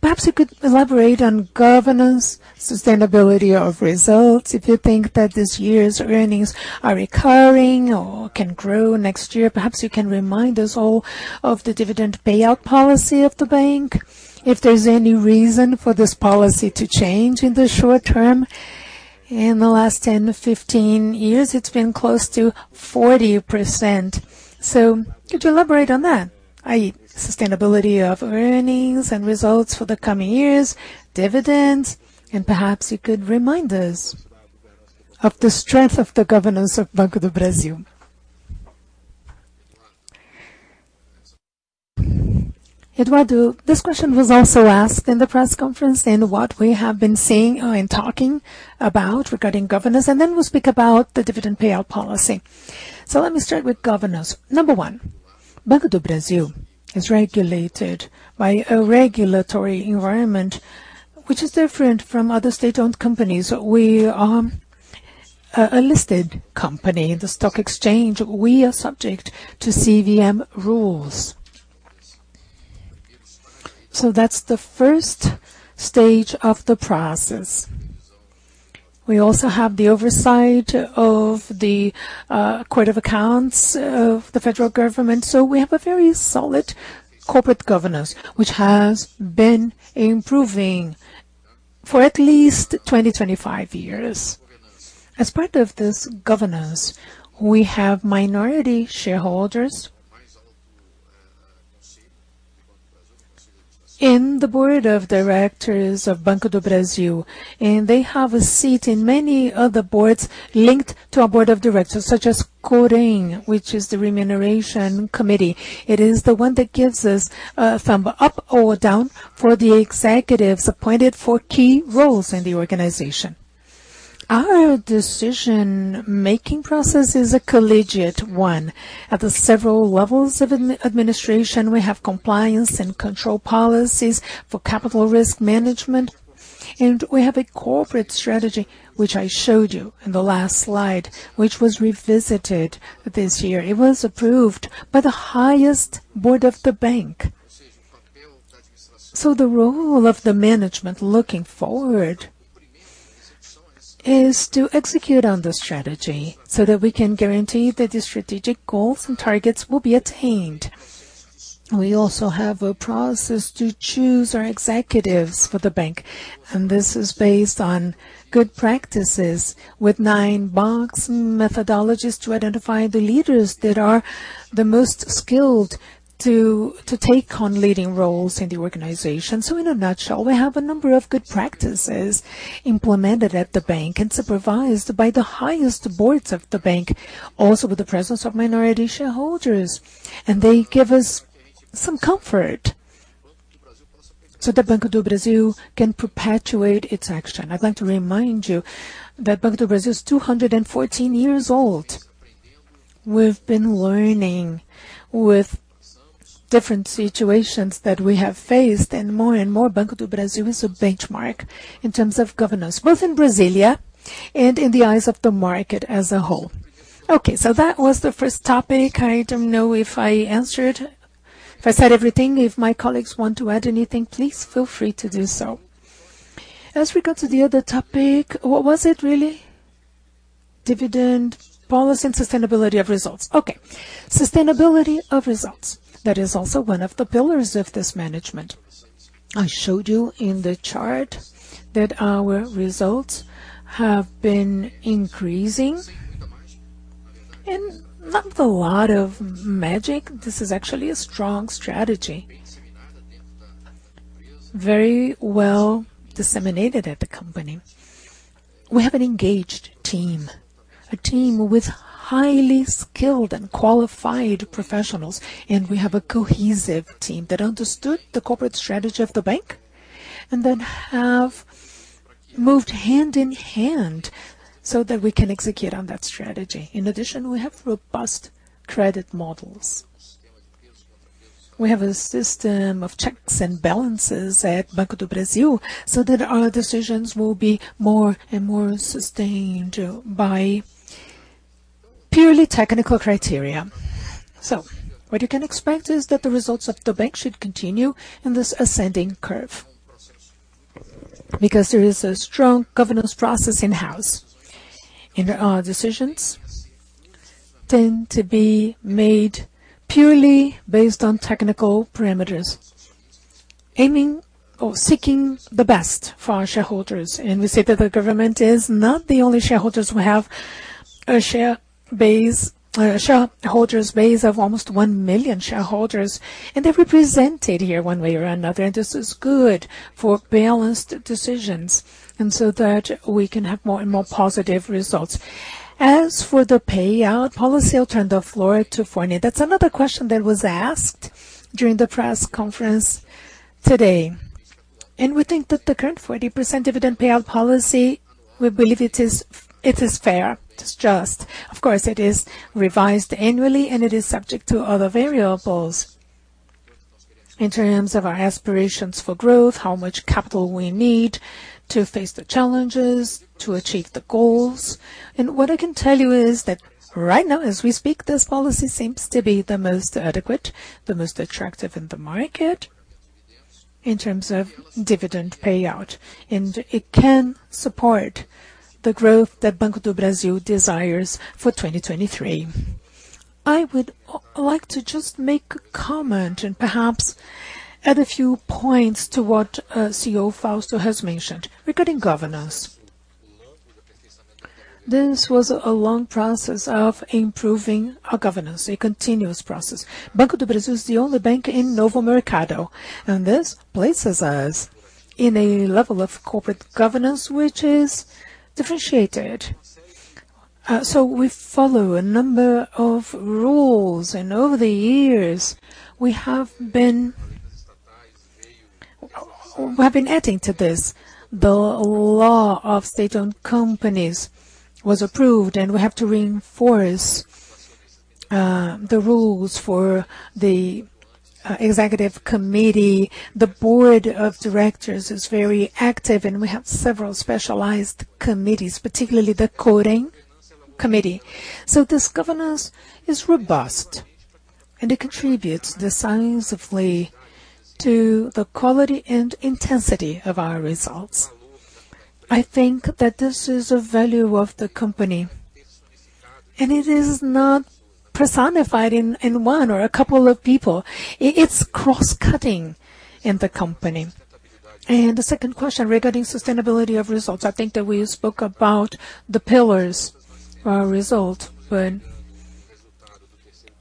Perhaps you could elaborate on governance, sustainability of results, if you think that this year's earnings are recurring or can grow next year. Perhaps you can remind us all of the dividend payout policy of the bank, if there's any reason for this policy to change in the short term. In the last 10-15 years, it's been close to 40%. Could you elaborate on that? i.e., sustainability of earnings and results for the coming years, dividends, and perhaps you could remind us of the strength of the governance of Banco do Brasil. Eduardo, this question was also asked in the press conference, and what we have been seeing and talking about regarding governance, and then we'll speak about the dividend payout policy. Let me start with governance. Number one, Banco do Brasil is regulated by a regulatory environment which is different from other state-owned companies. We are a listed company in the stock exchange. We are subject to CVM rules. That's the first stage of the process. We also have the oversight of the Court of Accounts of the federal government. We have a very solid corporate governance, which has been improving for at least 25 years. As part of this governance, we have minority shareholders in the board of directors of Banco do Brasil, and they have a seat in many other boards linked to our board of directors, such as Corem, which is the remuneration committee. It is the one that gives us a thumb up or down for the executives appointed for key roles in the organization. Our decision-making process is a collegiate one. At the several levels of administration, we have compliance and control policies for capital risk management, and we have a corporate strategy, which I showed you in the last slide, which was revisited this year. It was approved by the highest board of the bank. The role of the management looking forward is to execute on the strategy so that we can guarantee that the strategic goals and targets will be attained. We also have a process to choose our executives for the bank, and this is based on good practices with nine-box methodologies to identify the leaders that are the most skilled to take on leading roles in the organization. In a nutshell, we have a number of good practices implemented at the bank and supervised by the highest boards of the bank, also with the presence of minority shareholders, and they give us some comfort so that Banco do Brasil can perpetuate its action. I'd like to remind you that Banco do Brasil is 214 years old. We've been learning with different situations that we have faced, and more and more, Banco do Brasil is a benchmark in terms of governance, both in Brasília and in the eyes of the market as a whole. Okay, that was the first topic. I don't know if I said everything. If my colleagues want to add anything, please feel free to do so. As we go to the other topic, what was it really? Dividend policy and sustainability of results. Okay. Sustainability of results. That is also one of the pillars of this management. I showed you in the chart that our results have been increasing and not a lot of magic. This is actually a strong strategy, very well disseminated at the company. We have an engaged team, a team with highly skilled and qualified professionals, and we have a cohesive team that understood the corporate strategy of the bank and then have moved hand in hand so that we can execute on that strategy. In addition, we have robust credit models. We have a system of checks and balances at Banco do Brasil so that our decisions will be more and more sustained by purely technical criteria. What you can expect is that the results of the bank should continue in this ascending curve because there is a strong governance process in-house, and our decisions tend to be made purely based on technical parameters, aiming or seeking the best for our shareholders. We say that the government is not the only shareholders. We have a shareholders base of almost 1 million shareholders, and they're represented here one way or another, and this is good for balanced decisions so that we can have more and more positive results. As for the payout policy, I'll turn the floor to Forni. That's another question that was asked during the press conference today. We think that the current 40% dividend payout policy, we believe it is fair. It's just. Of course, it is revised annually, and it is subject to other variables in terms of our aspirations for growth, how much capital we need to face the challenges, to achieve the goals. What I can tell you is that right now, as we speak, this policy seems to be the most adequate, the most attractive in the market in terms of dividend payout, and it can support the growth that Banco do Brasil desires for 2023. I would like to just make a comment and perhaps add a few points to what CEO Fausto has mentioned regarding governance. This was a long process of improving our governance, a continuous process. Banco do Brasil is the only bank in Novo Mercado, and this places us in a level of corporate governance which is differentiated. So we follow a number of rules, and over the years, we have been adding to this. The law of state-owned companies was approved, and we have to reinforce the rules for the executive committee. The board of directors is very active, and we have several specialized committees, particularly the Corem committee. So this governance is robust and it contributes decisively to the quality and intensity of our results. I think that this is a value of the company, and it is not personified in one or a couple of people. It's cross-cutting in the company. The second question regarding sustainability of results, I think that we spoke about the pillars of our result when-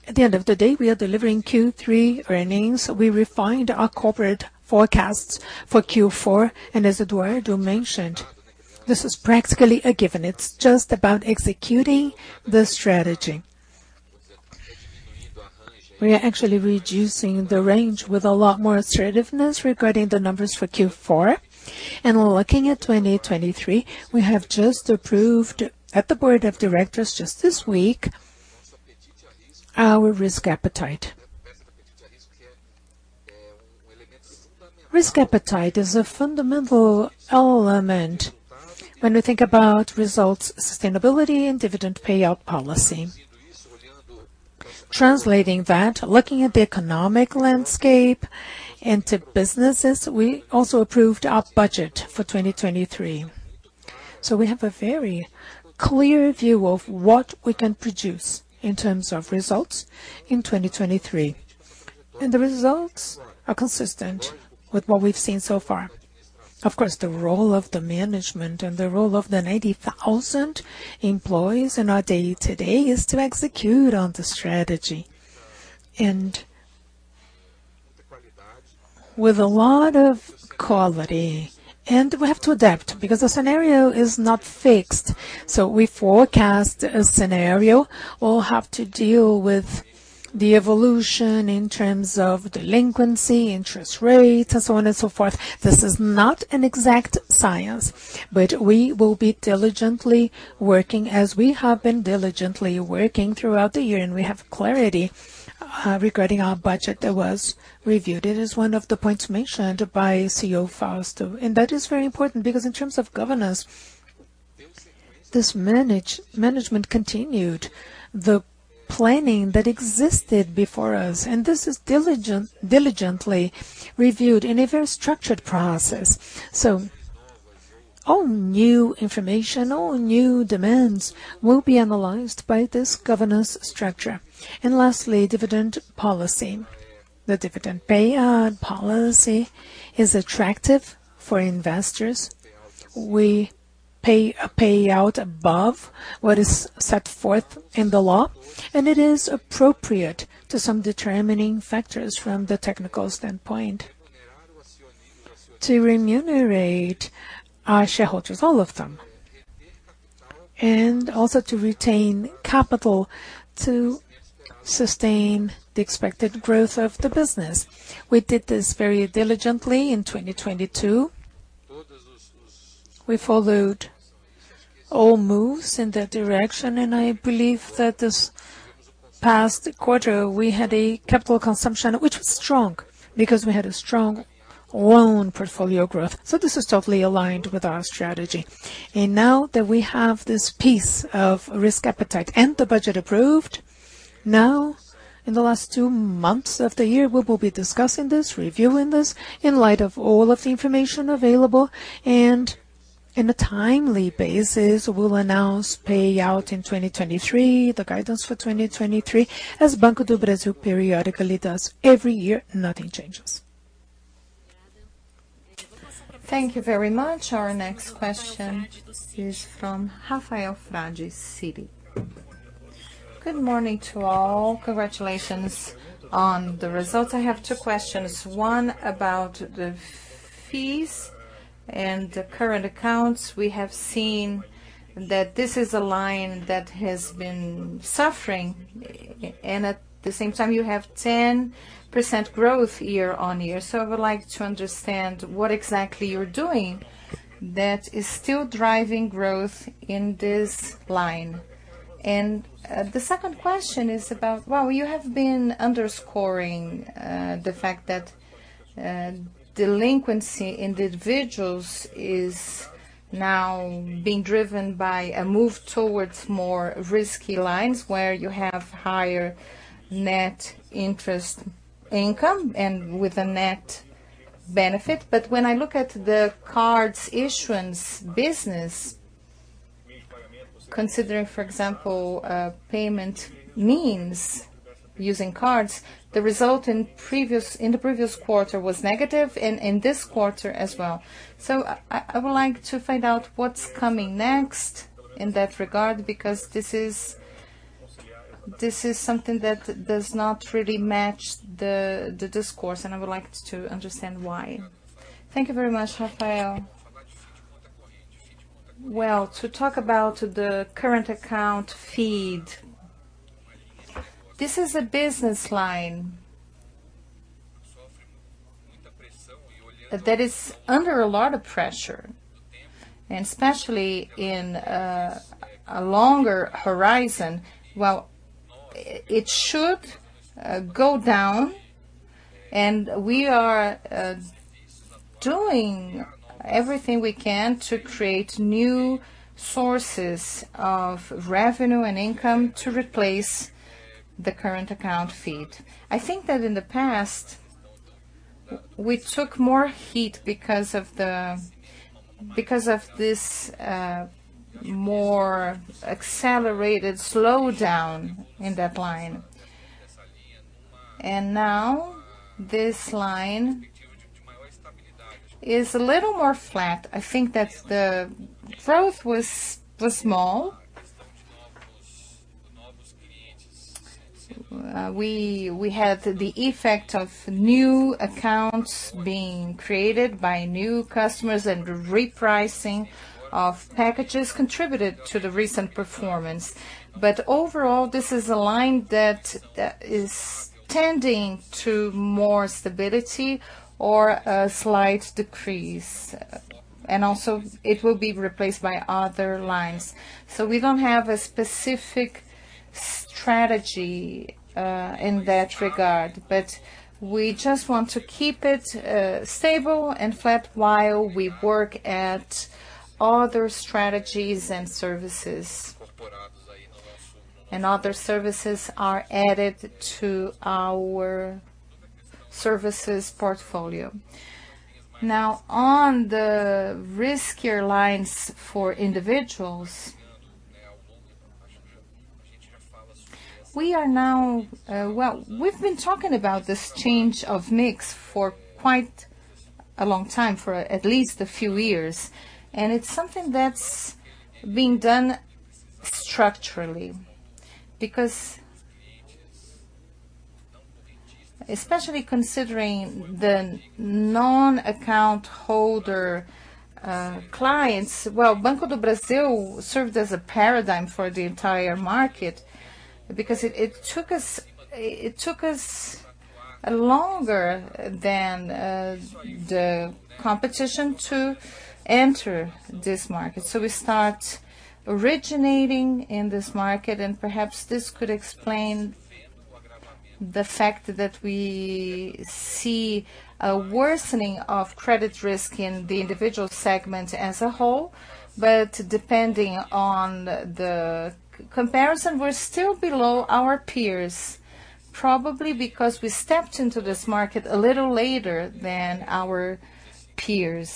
At the end of the day, we are delivering Q3 earnings. We refined our corporate forecasts for Q4, and as Eduardo mentioned, this is practically a given. It's just about executing the strategy. We are actually reducing the range with a lot more assertiveness regarding the numbers for Q4. Looking at 2023, we have just approved at the board of directors just this week our risk appetite. Risk appetite is a fundamental element when we think about results, sustainability and dividend payout policy. Translating that, looking at the economic landscape and to businesses, we also approved our budget for 2023. We have a very clear view of what we can produce in terms of results in 2023. The results are consistent with what we've seen so far. Of course, the role of the management and the role of the 90,000 employees in our day-to-day is to execute on the strategy and with a lot of quality. We have to adapt because the scenario is not fixed, so we forecast a scenario. We'll have to deal with the evolution in terms of delinquency, interest rates, and so on and so forth. This is not an exact science, but we will be diligently working as we have been diligently working throughout the year, and we have clarity regarding our budget that was reviewed. It is one of the points mentioned by CEO Fausto. That is very important because in terms of governance, this management continued the planning that existed before us, and this is diligently reviewed in a very structured process. All new information, all new demands will be analyzed by this governance structure. Lastly, dividend policy. The dividend payout policy is attractive for investors. We pay a payout above what is set forth in the law, and it is appropriate to some determining factors from the technical standpoint to remunerate our shareholders, all of them, and also to retain capital to sustain the expected growth of the business. We did this very diligently in 2022. We followed all moves in that direction, and I believe that this past quarter we had a capital consumption which was strong because we had a strong loan portfolio growth. This is totally aligned with our strategy. Now that we have this piece of risk appetite and the budget approved, now in the last two months of the year, we will be discussing this, reviewing this in light of all of the information available. In a timely basis, we'll announce payout in 2023, the guidance for 2023, as Banco do Brasil periodically does every year. Nothing changes. Thank you very much. Our next question is from Rafael Frade, Citi. Good morning to all. Congratulations on the results. I have two questions. One about the fees and the current accounts. We have seen that this is a line that has been suffering and at the same time you have 10% growth year-on-year. I would like to understand what exactly you're doing that is still driving growth in this line. The second question is about, well, you have been underscoring the fact that delinquency individuals is now being driven by a move towards more risky lines where you have higher net interest income and with a net benefit. When I look at the cards issuance business, considering, for example, payment means using cards, the result in the previous quarter was negative and in this quarter as well. I would like to find out what's coming next in that regard because this is something that does not really match the discourse, and I would like to understand why. Thank you very much, Rafael. To talk about the current account fee, this is a business line that is under a lot of pressure, and especially in a longer horizon. It should go down, and we are doing everything we can to create new sources of revenue and income to replace the current account fee. I think that in the past, we took more heat because of this more accelerated slowdown in that line. Now, this line is a little more flat. I think that the growth was small. We had the effect of new accounts being created by new customers and repricing of packages contributed to the recent performance. Overall, this is a line that is tending to more stability or a slight decrease, and also it will be replaced by other lines. We don't have a specific strategy in that regard, but we just want to keep it stable and flat while we work at other strategies and services. Other services are added to our services portfolio. Now, on the riskier lines for individuals, we are now, well, we've been talking about this change of mix for quite a long time, for at least a few years, and it's something that's being done structurally. Because especially considering the non-account holder clients, well, Banco do Brasil served as a paradigm for the entire market because it took us longer than the competition to enter this market. We start originating in this market, and perhaps this could explain the fact that we see a worsening of credit risk in the individual segment as a whole. Depending on the comparison, we're still below our peers, probably because we stepped into this market a little later than our peers.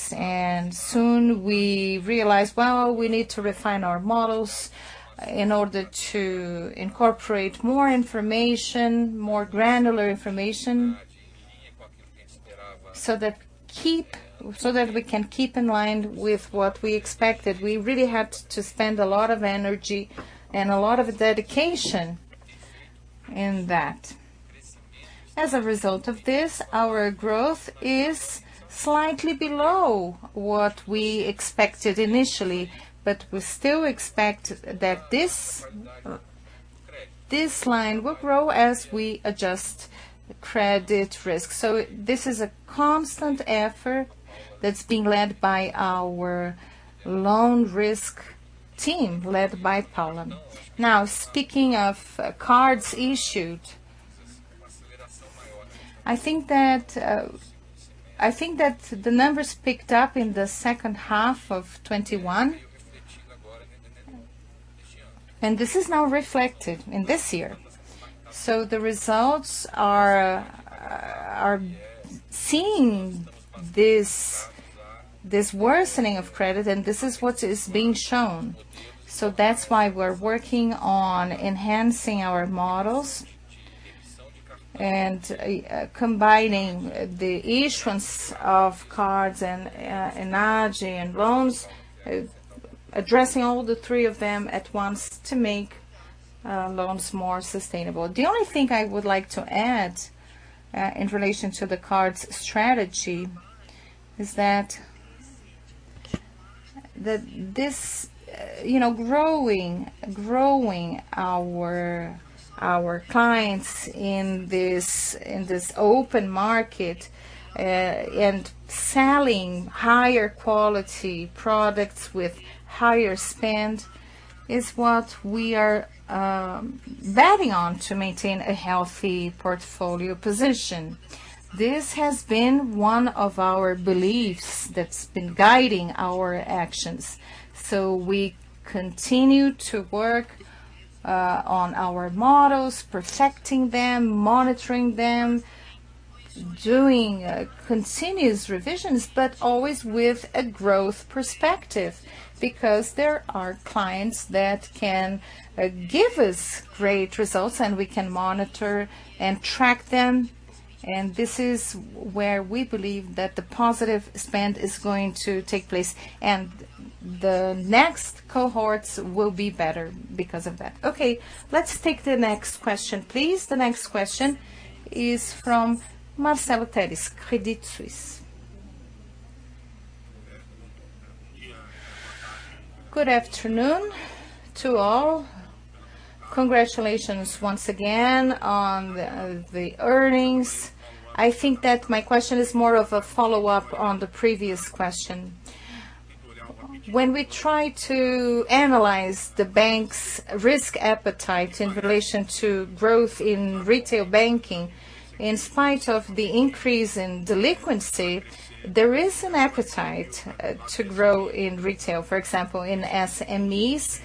Soon we realized, wow, we need to refine our models in order to incorporate more information, more granular information, so that we can keep in line with what we expected. We really had to spend a lot of energy and a lot of dedication in that. As a result of this, our growth is slightly below what we expected initially. We still expect that this line will grow as we adjust credit risk. This is a constant effort that's being led by our loan risk team, led by Paula. Now, speaking of cards issued, I think that the numbers picked up in the second half of 2021. This is now reflected in this year. The results are seeing this worsening of credit, and this is what is being shown. That's why we're working on enhancing our models and combining the issuance of cards and energy and loans, addressing all the three of them at once to make loans more sustainable. The only thing I would like to add in relation to the cards strategy is that this, you know, growing our clients in this open market and selling higher quality products with higher spend is what we are betting on to maintain a healthy portfolio position. This has been one of our beliefs that's been guiding our actions. We continue to work on our models, perfecting them, monitoring them, doing continuous revisions, but always with a growth perspective because there are clients that can give us great results, and we can monitor and track them. This is where we believe that the positive spend is going to take place, and the next cohorts will be better because of that. Okay, let's take the next question, please. The next question is from Marcelo Telles, Credit Suisse. Good afternoon to all. Congratulations once again on the earnings. I think that my question is more of a follow-up on the previous question. When we try to analyze the bank's risk appetite in relation to growth in retail banking, in spite of the increase in delinquency, there is an appetite to grow in retail. For example, in SMEs,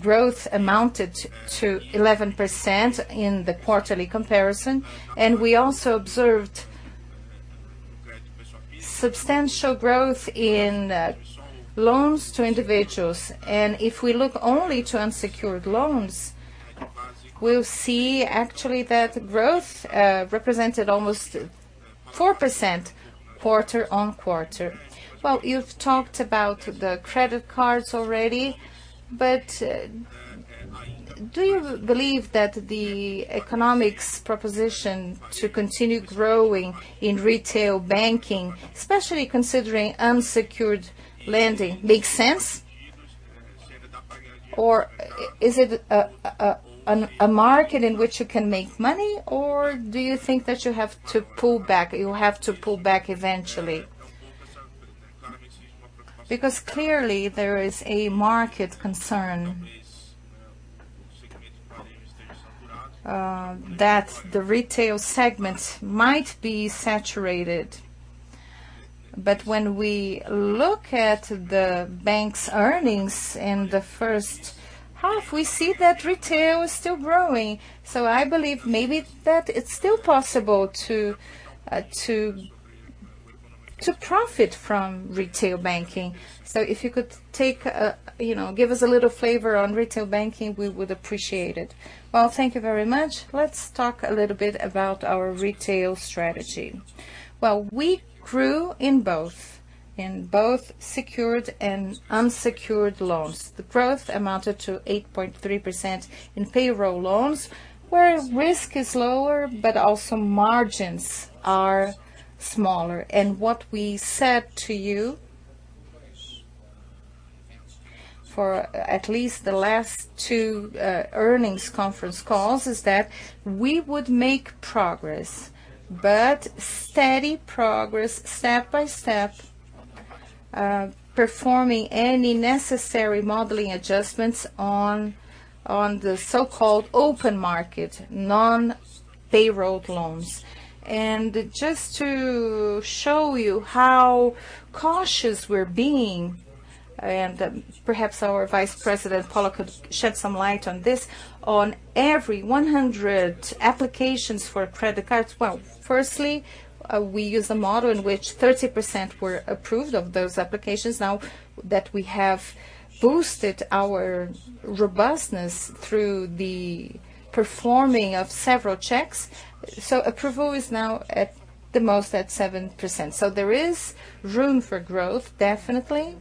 growth amounted to eleven percent in the quarterly comparison, and we also observed substantial growth in loans to individuals. If we look only to unsecured loans, we'll see actually that growth represented almost 4% quarter-over-quarter. Well, you've talked about the credit cards already, but do you believe that the economics proposition to continue growing in retail banking, especially considering unsecured lending, makes sense? Or is it a market in which you can make money, or do you think that you have to pull back, you'll have to pull back eventually? Because clearly there is a market concern that the retail segment might be saturated. When we look at the bank's earnings in the first half, we see that retail is still growing. I believe maybe that it's still possible to profit from retail banking. If you could take, you know, give us a little flavor on retail banking, we would appreciate it. Well, thank you very much. Let's talk a little bit about our retail strategy. Well, we grew in both secured and unsecured loans. The growth amounted to 8.3% in payroll loans, where risk is lower, but also margins are smaller. What we said to you for at least the last two earnings conference calls is that we would make progress, but steady progress step by step, performing any necessary modeling adjustments on the so-called open credit, non-payroll loans. Just to show you how cautious we're being, and perhaps our Vice President Paula could shed some light on this. On every 100 applications for credit cards, well, firstly, we use a model in which 30% were approved of those applications. Now that we have boosted our robustness through the performing of several checks, approval is now at most 7%. There is room for growth, definitely.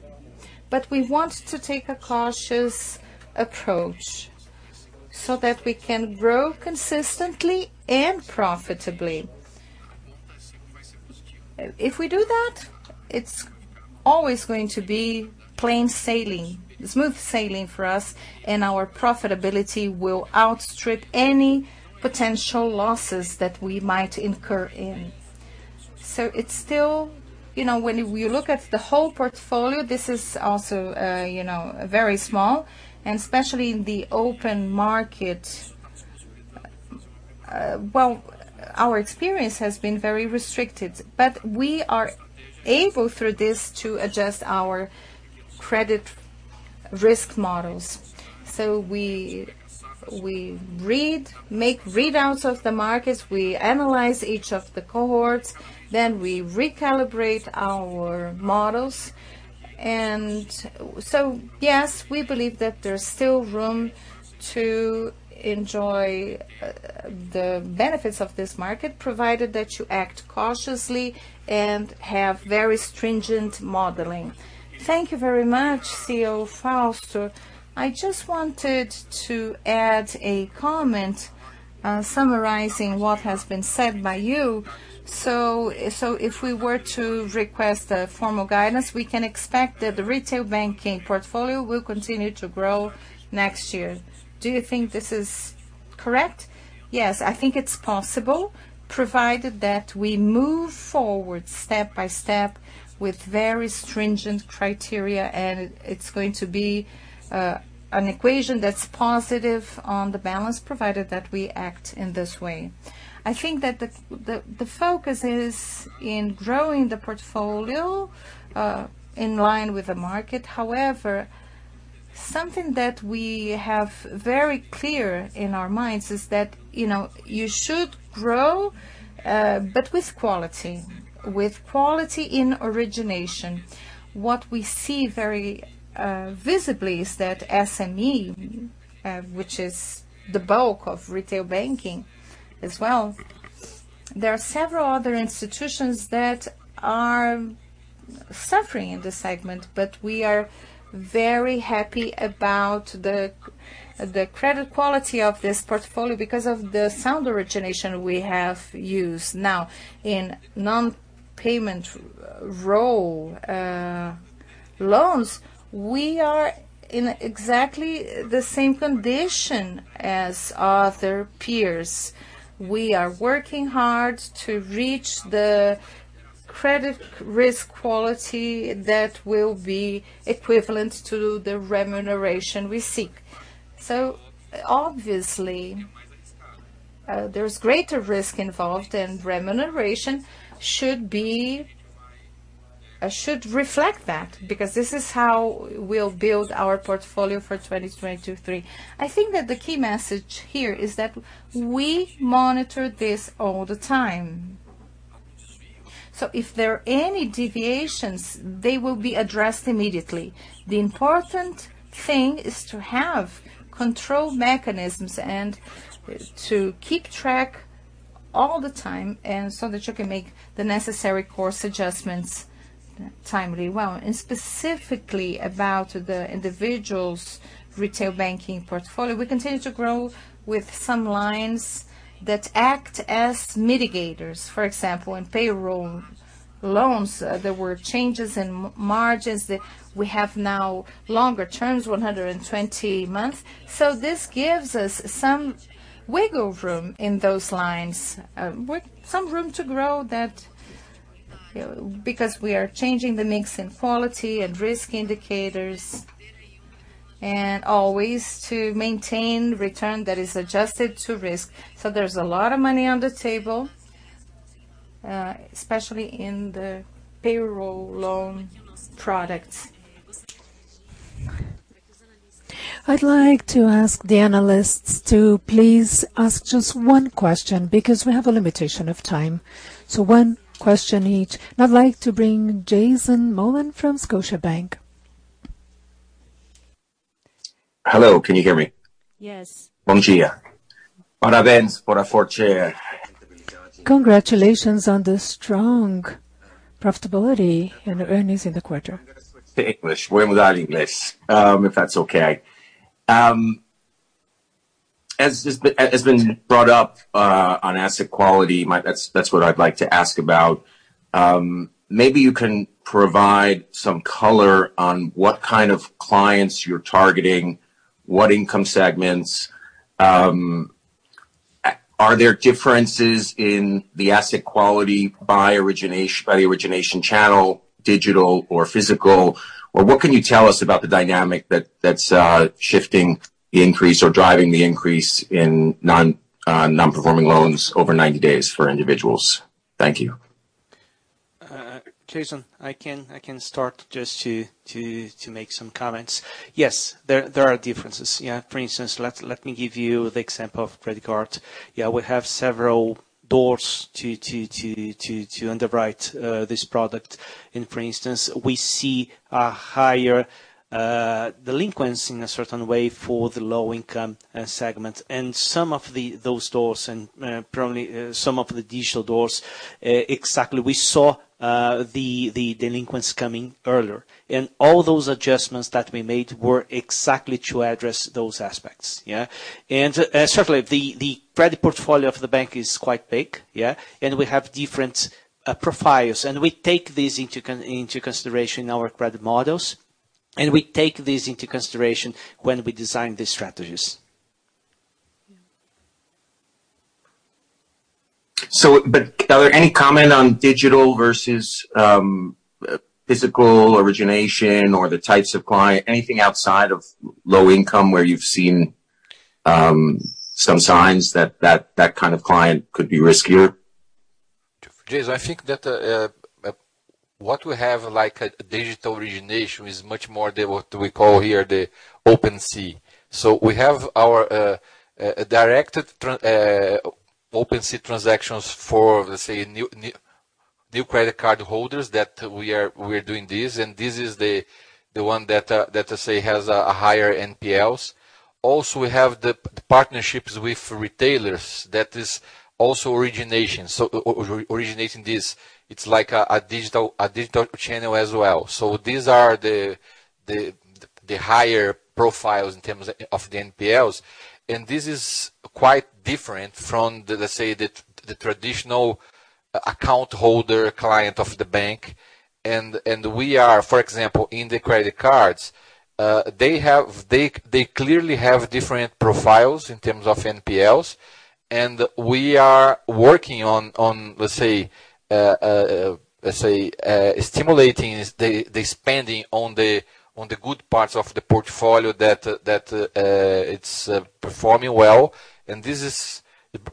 We want to take a cautious approach so that we can grow consistently and profitably. If we do that, it's always going to be plain sailing, smooth sailing for us, and our profitability will outstrip any potential losses that we might incur in. It's still. You know, when you look at the whole portfolio, this is also, you know, very small, and especially in the open credit, well, our experience has been very restricted. But we are able, through this, to adjust our credit risk models. We make readouts of the markets, we analyze each of the cohorts, then we recalibrate our models. Yes, we believe that there's still room to enjoy the benefits of this market, provided that you act cautiously and have very stringent modeling. Thank you very much, CEO Fausto. I just wanted to add a comment, summarizing what has been said by you. If we were to request a formal guidance, we can expect that the retail banking portfolio will continue to grow next year. Do you think this is correct? Yes, I think it's possible, provided that we move forward step by step with very stringent criteria, and it's going to be an equation that's positive on the balance, provided that we act in this way. I think that the focus is in growing the portfolio in line with the market. However, something that we have very clear in our minds is that, you know, you should grow but with quality in origination. What we see very visibly is that SME, which is the bulk of retail banking as well. There are several other institutions that are suffering in this segment, but we are very happy about the credit quality of this portfolio because of the sound origination we have used. Now in non-payroll loans, we are in exactly the same condition as other peers. We are working hard to reach the credit risk quality that will be equivalent to the remuneration we seek. Obviously, there's greater risk involved and remuneration should reflect that because this is how we'll build our portfolio for 2023. I think that the key message here is that we monitor this all the time. If there are any deviations, they will be addressed immediately. The important thing is to have control mechanisms and to keep track all the time and so that you can make the necessary course adjustments timely, well. Specifically about the individual's retail banking portfolio, we continue to grow with some lines that act as mitigators. For example, in payroll loans, there were changes in margins that we have now longer terms, 120 months. This gives us some wiggle room in those lines, with some room to grow that, you know, because we are changing the mix in quality and risk indicators and always to maintain return that is adjusted to risk. There's a lot of money on the table, especially in the payroll loan products. I'd like to ask the analysts to please ask just one question because we have a limitation of time. One question each. I'd like to bring Jason Mollin from Scotiabank. Hello. Can you hear me? Yes. Buongiorno. Parabéns pela forte. Congratulations on the strong profitability and earnings in the quarter. I'm gonna switch to English. Vou mudar pra inglês, if that's okay. As has been brought up on asset quality, that's what I'd like to ask about. Maybe you can provide some color on what kind of clients you're targeting, what income segments. Are there differences in the asset quality by the origination channel, digital or physical? What can you tell us about the dynamic that's shifting the increase or driving the increase in non-performing loans over 90 days for individuals? Thank you. Jason, I can start just to make some comments. Yes, there are differences. For instance, let me give you the example of credit card. We have several doors to underwrite this product. For instance, we see a higher delinquency in a certain way for the low-income segment and some of those doors and, probably, some of the digital doors. Exactly, we saw the delinquents coming earlier. All those adjustments that we made were exactly to address those aspects. Certainly the credit portfolio of the bank is quite big, and we have different profiles, and we take this into consideration in our credit models, and we take this into consideration when we design the strategies. Are there any comment on digital versus physical origination or the types of client, anything outside of low income where you've seen some signs that kind of client could be riskier? Jason, I think that what we have, like a digital origination, is much more than what we call here the open credit. We have our directed, open credit transactions for, let's say, new credit card holders that we are doing this, and this is the one that I say has a higher NPLs. Also, we have the partnerships with retailers that is also origination. Originating this, it's like a digital channel as well. These are the higher profiles in terms of the NPLs. This is quite different from the, let's say, the traditional account holder client of the bank. We are, for example, in the credit cards, they clearly have different profiles in terms of NPLs, and we are working on, let's say, stimulating the spending on the good parts of the portfolio that it's performing well and this is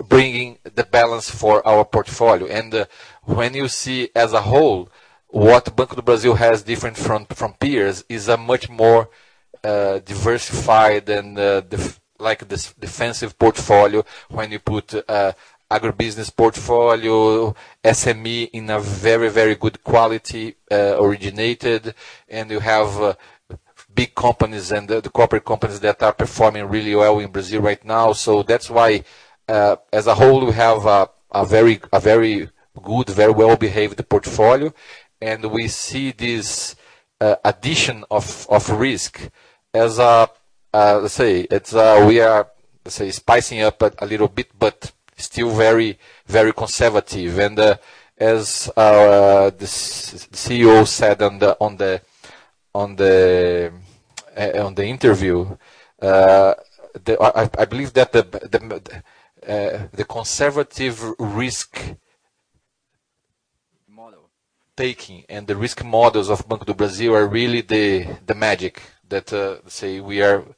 bringing the balance for our portfolio. When you see as a whole what Banco do Brasil has different from peers is a much more diversified and like this defensive portfolio when you put agribusiness portfolio, SME in a very good quality originated, and you have big companies and the corporate companies that are performing really well in Brazil right now. That's why, as a whole, we have a very good, very well-behaved portfolio, and we see this addition of risk as, let's say, we are spicing up a little bit but still very, very conservative. As our CEO said on the interview, I believe that the conservative risk model taking and the risk models of Banco do Brasil are really the magic that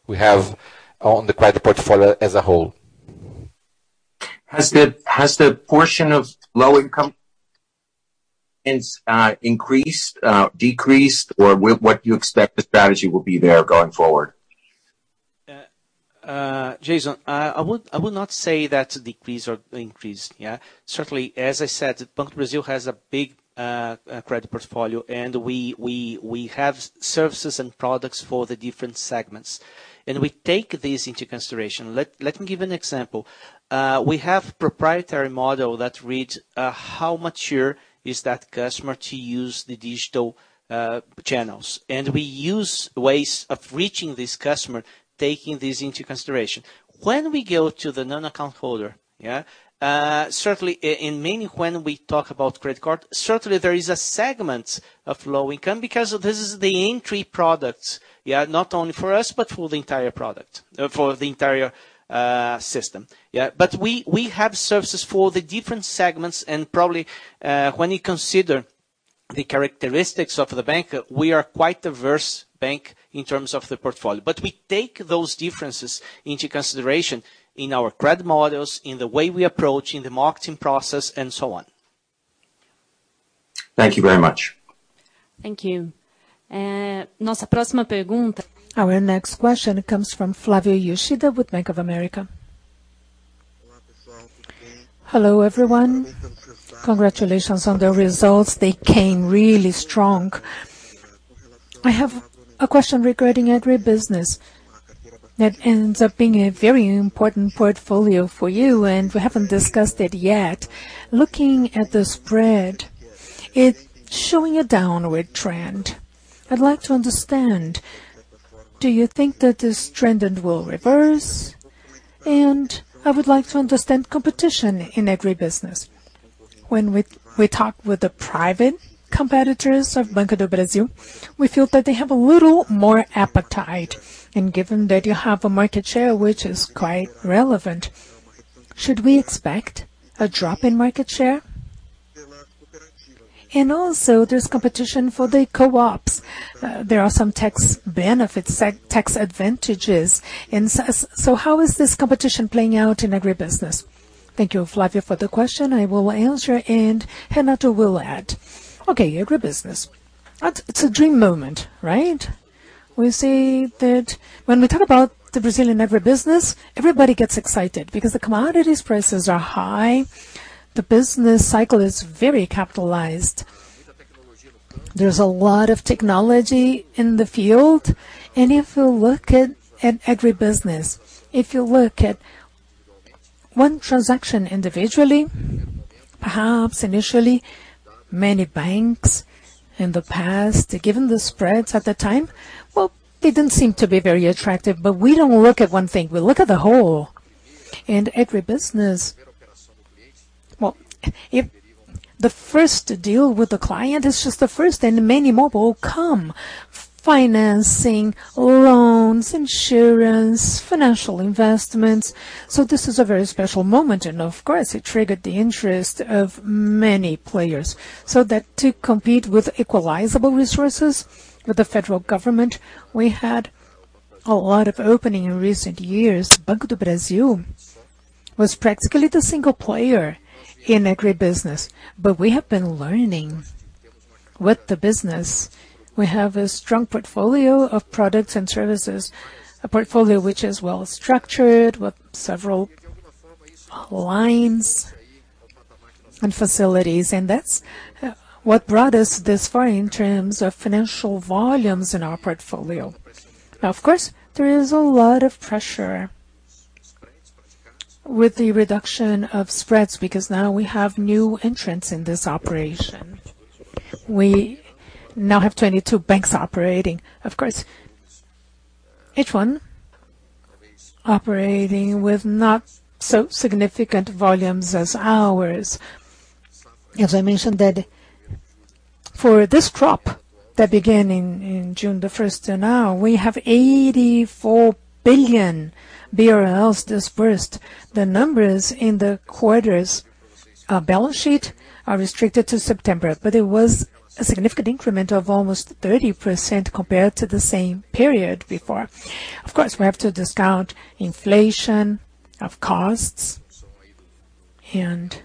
we have on the credit portfolio as a whole. Has the portion of low income clients increased, decreased, or what do you expect the strategy will be there going forward? Jason, I would not say that decreased or increased, yeah. Certainly, as I said, Banco do Brasil has a big credit portfolio, and we have services and products for the different segments, and we take this into consideration. Let me give an example. We have proprietary model that reads how mature is that customer to use the digital channels. We use ways of reaching this customer, taking this into consideration. When we go to the non-account holder, yeah, certainly in mainly when we talk about credit card, certainly there is a segment of low income because this is the entry products, yeah, not only for us, but for the entire product for the entire system. Yeah. We have services for the different segments and probably, when you consider the characteristics of the bank, we are quite diverse bank in terms of the portfolio. We take those differences into consideration in our credit models, in the way we approach, in the marketing process, and so on. Thank you very much. Thank you. Our next question comes from Flavio Yoshida with Bank of America. Hello, everyone. Congratulations on the results. They came really strong. I have a question regarding agribusiness. That ends up being a very important portfolio for you, and we haven't discussed it yet. Looking at the spread, it's showing a downward trend. I'd like to understand, do you think that this trend, it will reverse? I would like to understand competition in agribusiness. When we talk with the private competitors of Banco do Brasil, we feel that they have a little more appetite. Given that you have a market share which is quite relevant, should we expect a drop in market share? Also, there's competition for the co-ops. There are some tax benefits, tax advantages. So how is this competition playing out in agribusiness? Thank you, Flavio, for the question. I will answer, and Renato will add. Okay, agribusiness. It's a dream moment, right? We see that when we talk about the Brazilian agribusiness, everybody gets excited because the commodity prices are high, the business cycle is very capitalized. There's a lot of technology in the field. If you look at agribusiness, if you look at one transaction individually, perhaps initially, many banks in the past, given the spreads at the time, well, they didn't seem to be very attractive. We don't look at one thing, we look at the whole. Agribusiness, well, if the first deal with the client is just the first, then many more will come. Financing, loans, insurance, financial investments. This is a very special moment, and of course, it triggered the interest of many players. That to compete with equivalent resources with the federal government, we had a lot of openings in recent years. Banco do Brasil was practically the single player in agribusiness, but we have been learning with the business. We have a strong portfolio of products and services, a portfolio which is well-structured with several lines and facilities, and that's what brought us this far in terms of financial volumes in our portfolio. Now of course, there is a lot of pressure with the reduction of spreads because now we have new entrants in this operation. We now have 22 banks operating. Of course, each one operating with not so significant volumes as ours. As I mentioned that for this crop that began in June the first to now, we have 84 billion BRL disbursed. The numbers in the quarter's balance sheet are restricted to September. It was a significant increment of almost 30% compared to the same period before. Of course, we have to discount inflation of costs, and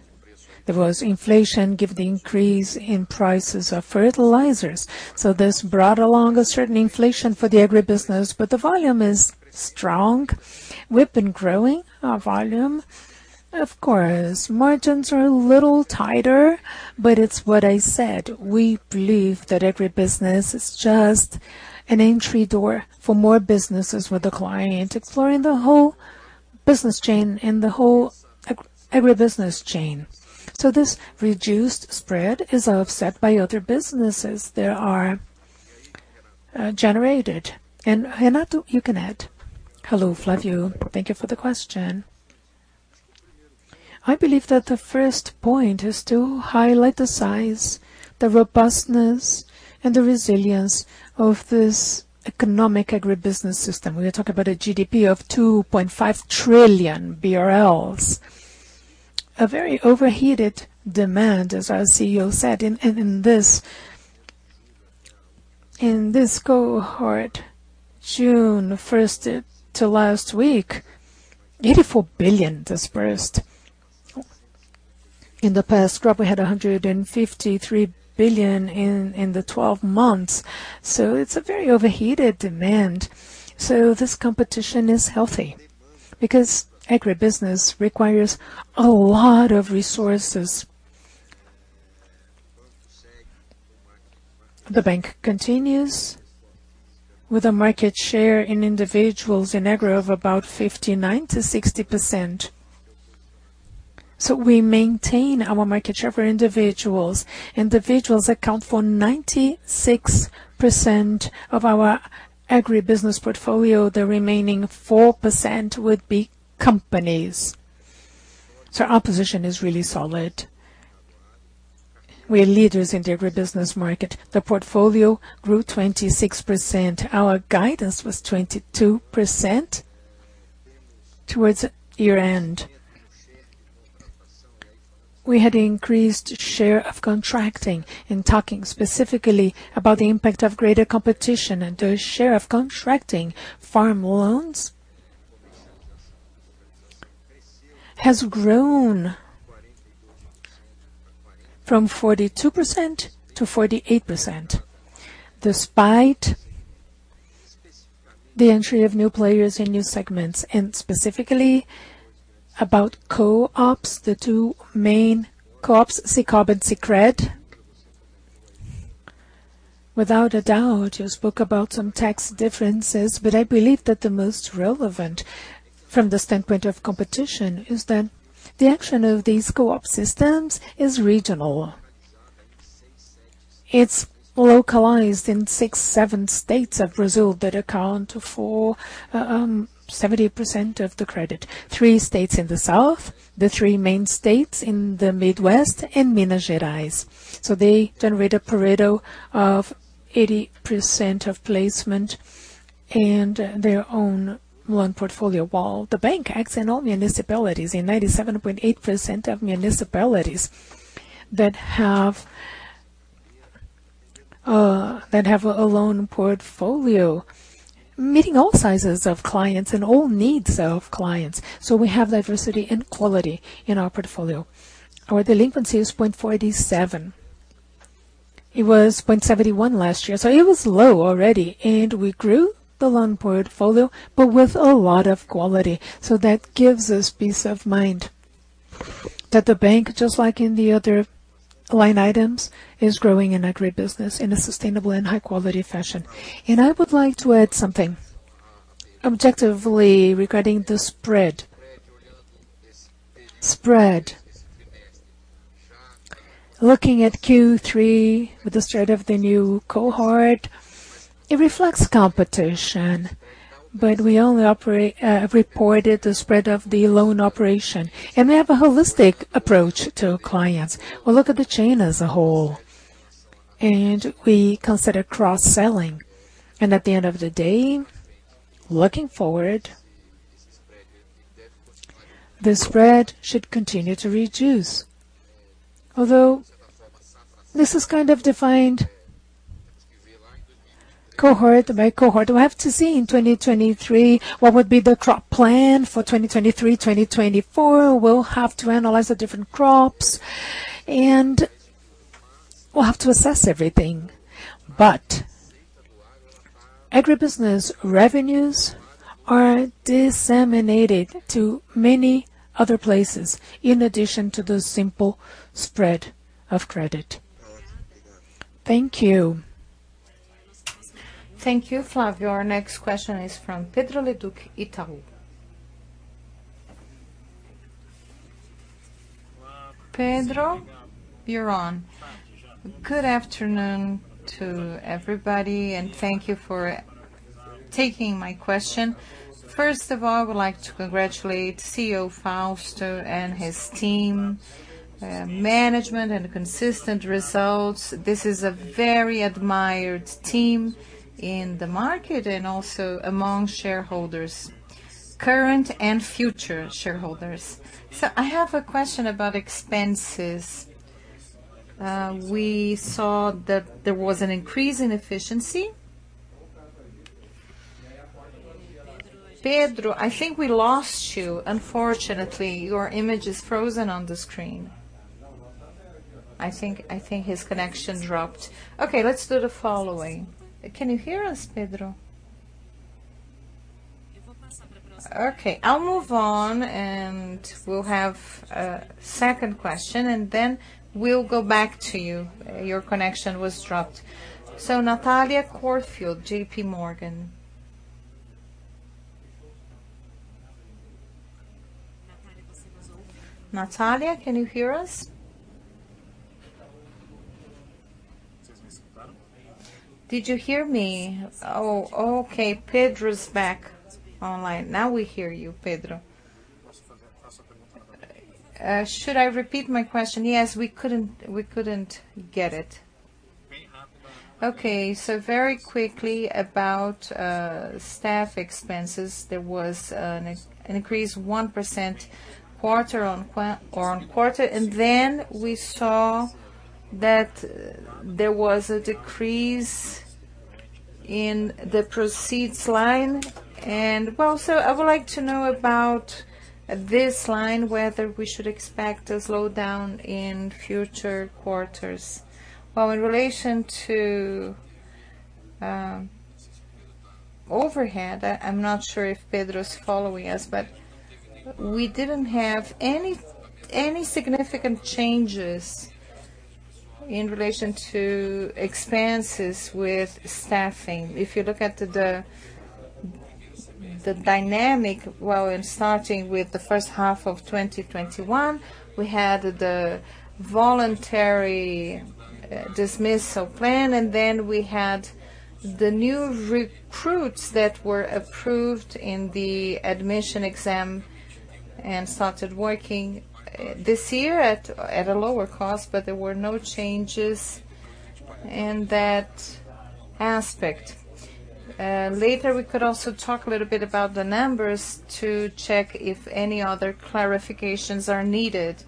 there was inflation given the increase in prices of fertilizers. This brought along a certain inflation for the agribusiness, but the volume is strong. We've been growing our volume. Of course, margins are a little tighter, but it's what I said. We believe that every business is just an entry door for more businesses with the client exploring the whole business chain and the whole agribusiness chain. This reduced spread is offset by other businesses that are generated. Renato, you can add. Hello, Flavio. Thank you for the question. I believe that the first point is to highlight the size, the robustness, and the resilience of this economic agribusiness system. We are talking about a GDP of 2.5 trillion BRL. A very overheated demand, as our CEO said, in this cohort, June first to last week, 84 billion disbursed. In the past crop, we had 153 billion in the twelve months. It's a very overheated demand. This competition is healthy because agribusiness requires a lot of resources. The bank continues with a market share in individuals in agri of about 59%-60%. We maintain our market share for individuals. Individuals account for 96% of our agribusiness portfolio. The remaining 4% would be companies. Our position is really solid. We're leaders in the agribusiness market. The portfolio grew 26%. Our guidance was 22% towards year-end. We had increased share of contracting. In talking specifically about the impact of greater competition and the share of contracting, farm loans has grown from 42%-48%, despite the entry of new players in new segments. Specifically about co-ops, the two main co-ops, Sicoob and Sicredi. Without a doubt, you spoke about some tax differences, but I believe that the most relevant from the standpoint of competition is that the action of these co-op systems is regional. It's localized in six, seven states of Brazil that account for 70% of the credit. Three states in the south, the three main states in the Midwest, and Minas Gerais. They generate a Pareto of 80% of placement and their own loan portfolio. While the bank acts in all municipalities, in 97.8% of municipalities that have a loan portfolio, meeting all sizes of clients and all needs of clients. We have diversity and quality in our portfolio. Our delinquency is 0.47%. It was 0.71% last year, so it was low already, and we grew the loan portfolio, but with a lot of quality. That gives us peace of mind that the bank, just like in the other line items, is growing in agribusiness in a sustainable and high-quality fashion. I would like to add something objectively regarding the spread. Looking at Q3 with the start of the new cohort, it reflects competition, but we only reported the spread of the loan operation, and we have a holistic approach to clients. We look at the chain as a whole, and we consider cross-selling. At the end of the day, looking forward, the spread should continue to reduce. Although this is kind of defined cohort by cohort. We'll have to see in 2023 what would be the crop plan for 2023, 2024. We'll have to analyze the different crops and we'll have to assess everything. But agribusiness revenues are disseminated to many other places in addition to the simple spread of credit. Thank you. Thank you, Flavio. Our next question is from Pedro Leduc, Itaú. Pedro, you're on. Good afternoon to everybody, and thank you for taking my question. First of all, I would like to congratulate CEO Fausto and his team, management and consistent results. This is a very admired team in the market and also among shareholders, current and future shareholders. I have a question about expenses. We saw that there was an increase in efficiency. Pedro, I think we lost you, unfortunately. Your image is frozen on the screen. I think his connection dropped. Okay, let's do the following. Can you hear us, Pedro? Okay, I'll move on, and we'll have a second question, and then we'll go back to you. Your connection was dropped. Natalia Corfield, JPMorgan. Natalia, can you hear us? Did you hear me? Oh, okay, Pedro's back online. Now we hear you, Pedro. Should I repeat my question? Yes, we couldn't get it. Okay, very quickly about staff expenses. There was an increase 1% quarter-on-quarter, and then we saw that there was a decrease in the provision line. Well, I would like to know about this line, whether we should expect a slowdown in future quarters. Well, in relation to overhead, I'm not sure if Pedro's following us, but we didn't have any significant changes in relation to expenses with staffing. If you look at the dynamic, well, in starting with the first half of 2021, we had the voluntary dismissal plan and then we had the new recruits that were approved in the admission exam and started working this year at a lower cost. There were no changes in that aspect. Later, we could also talk a little bit about the numbers to check if any other clarifications are needed.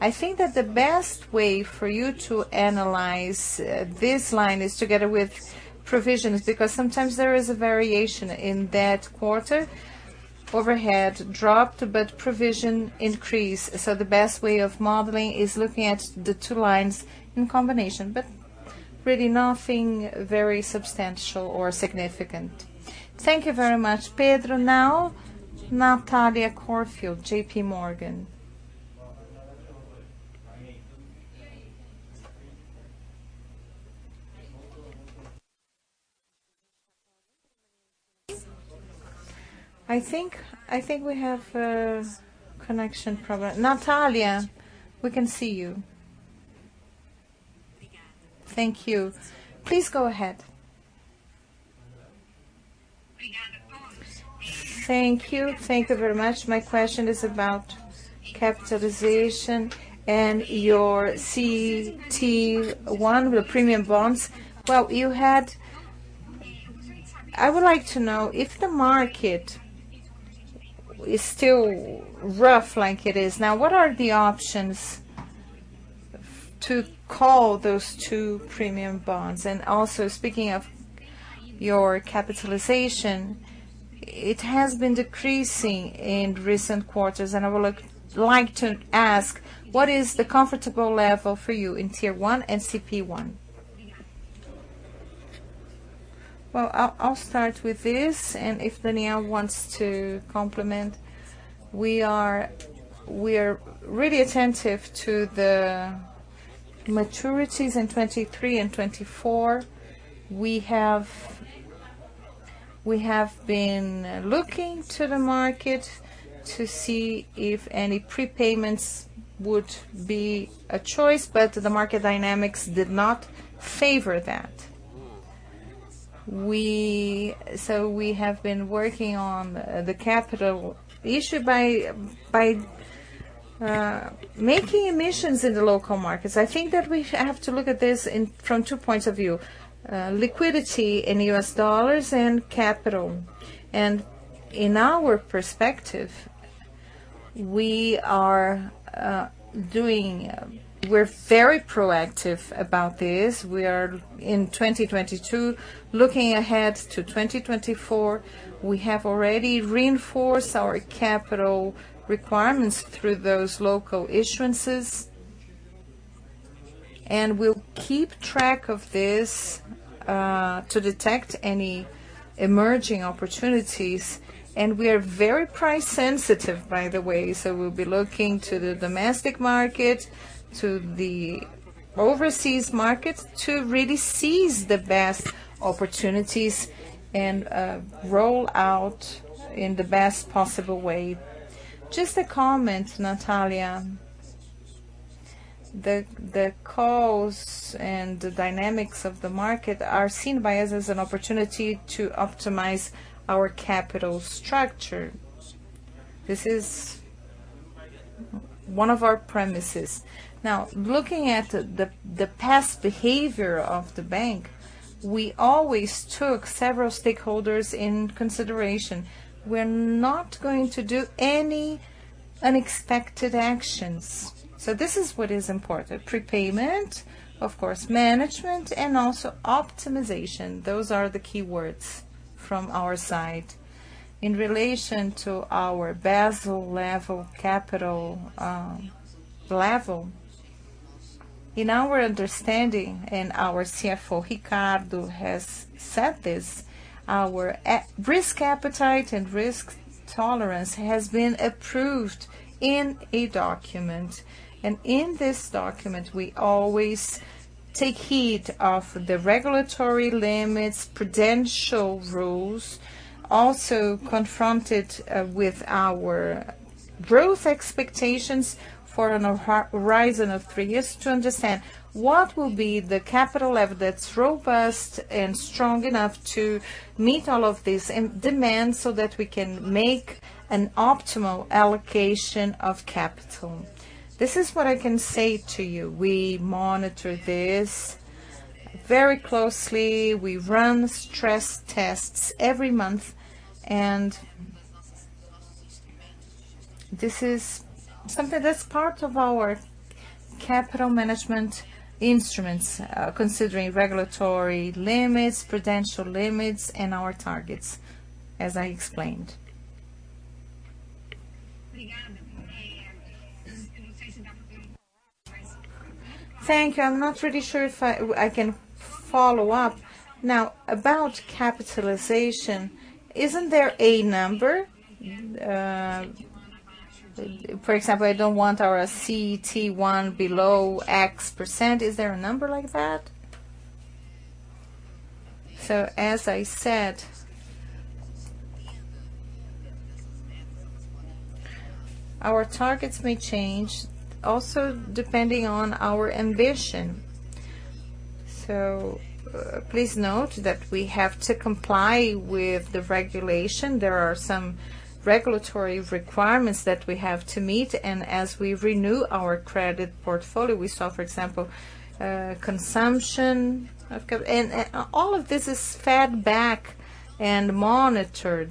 I think that the best way for you to analyze this line is together with provisions, because sometimes there is a variation. In that quarter, overhead dropped but provision increased. The best way of modeling is looking at the two lines in combination. Really nothing very substantial or significant. Thank you very much, Pedro. Now, Natalia Corfield, JPMorgan. I think we have a connection problem. Natalia, we can see you. Thank you. Please go ahead. Thank you. Thank you very much. My question is about capitalization and your CET1, your premium bonds. I would like to know if the market is still rough like it is now, what are the options to call those two premium bonds? And also, speaking of your capitalization, it has been decreasing in recent quarters, and I would like to ask, what is the comfortable level for you in Tier 1 and CET1? Well, I'll start with this, and if Daniel wants to complement. We are really attentive to the maturities in 2023 and 2024. We have been looking to the market to see if any prepayments would be a choice, but the market dynamics did not favor that. We have been working on the capital issue by making issuances in the local markets. I think that we have to look at this from two points of view, liquidity in U.S. dollars and capital. In our perspective, we're very proactive about this. We are in 2022, looking ahead to 2024. We have already reinforced our capital requirements through those local issuances, and we'll keep track of this to detect any emerging opportunities. We are very price sensitive, by the way, so we'll be looking to the domestic market, to the overseas market, to really seize the best opportunities and roll out in the best possible way. Just a comment, Natalia. The calls and the dynamics of the market are seen by us as an opportunity to optimize our capital structure. This is one of our premises. Now, looking at the past behavior of the bank, we always took several stakeholders in consideration. We're not going to do any unexpected actions. This is what is important. Prepayment, of course, management, and also optimization. Those are the keywords. From our side. In relation to our Basel level capital, level, in our understanding and our CFO, Ricardo, has said this, our risk appetite and risk tolerance has been approved in a document. In this document, we always take heed of the regulatory limits, prudential rules, also confronted with our growth expectations for a horizon of three years to understand what will be the capital level that's robust and strong enough to meet all of this and demand so that we can make an optimal allocation of capital. This is what I can say to you. We monitor this very closely. We run stress tests every month. This is something that's part of our capital management instruments, considering regulatory limits, prudential limits, and our targets, as I explained. Thank you. I'm not really sure if I can follow up. Now, about capitalization, isn't there a number? For example, I don't want our CET1 below X%. Is there a number like that? As I said, our targets may change also depending on our ambition. Please note that we have to comply with the regulation. There are some regulatory requirements that we have to meet. As we renew our credit portfolio, we saw, for example, and all of this is fed back and monitored.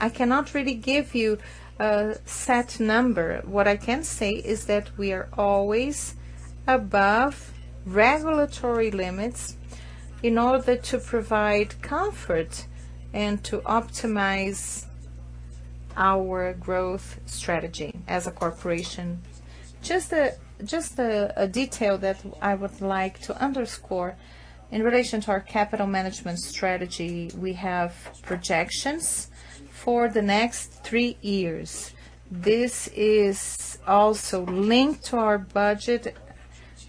I cannot really give you a set number. What I can say is that we are always above regulatory limits in order to provide comfort and to optimize our growth strategy as a corporation. Just a detail that I would like to underscore in relation to our capital management strategy, we have projections for the next three years. This is also linked to our budget,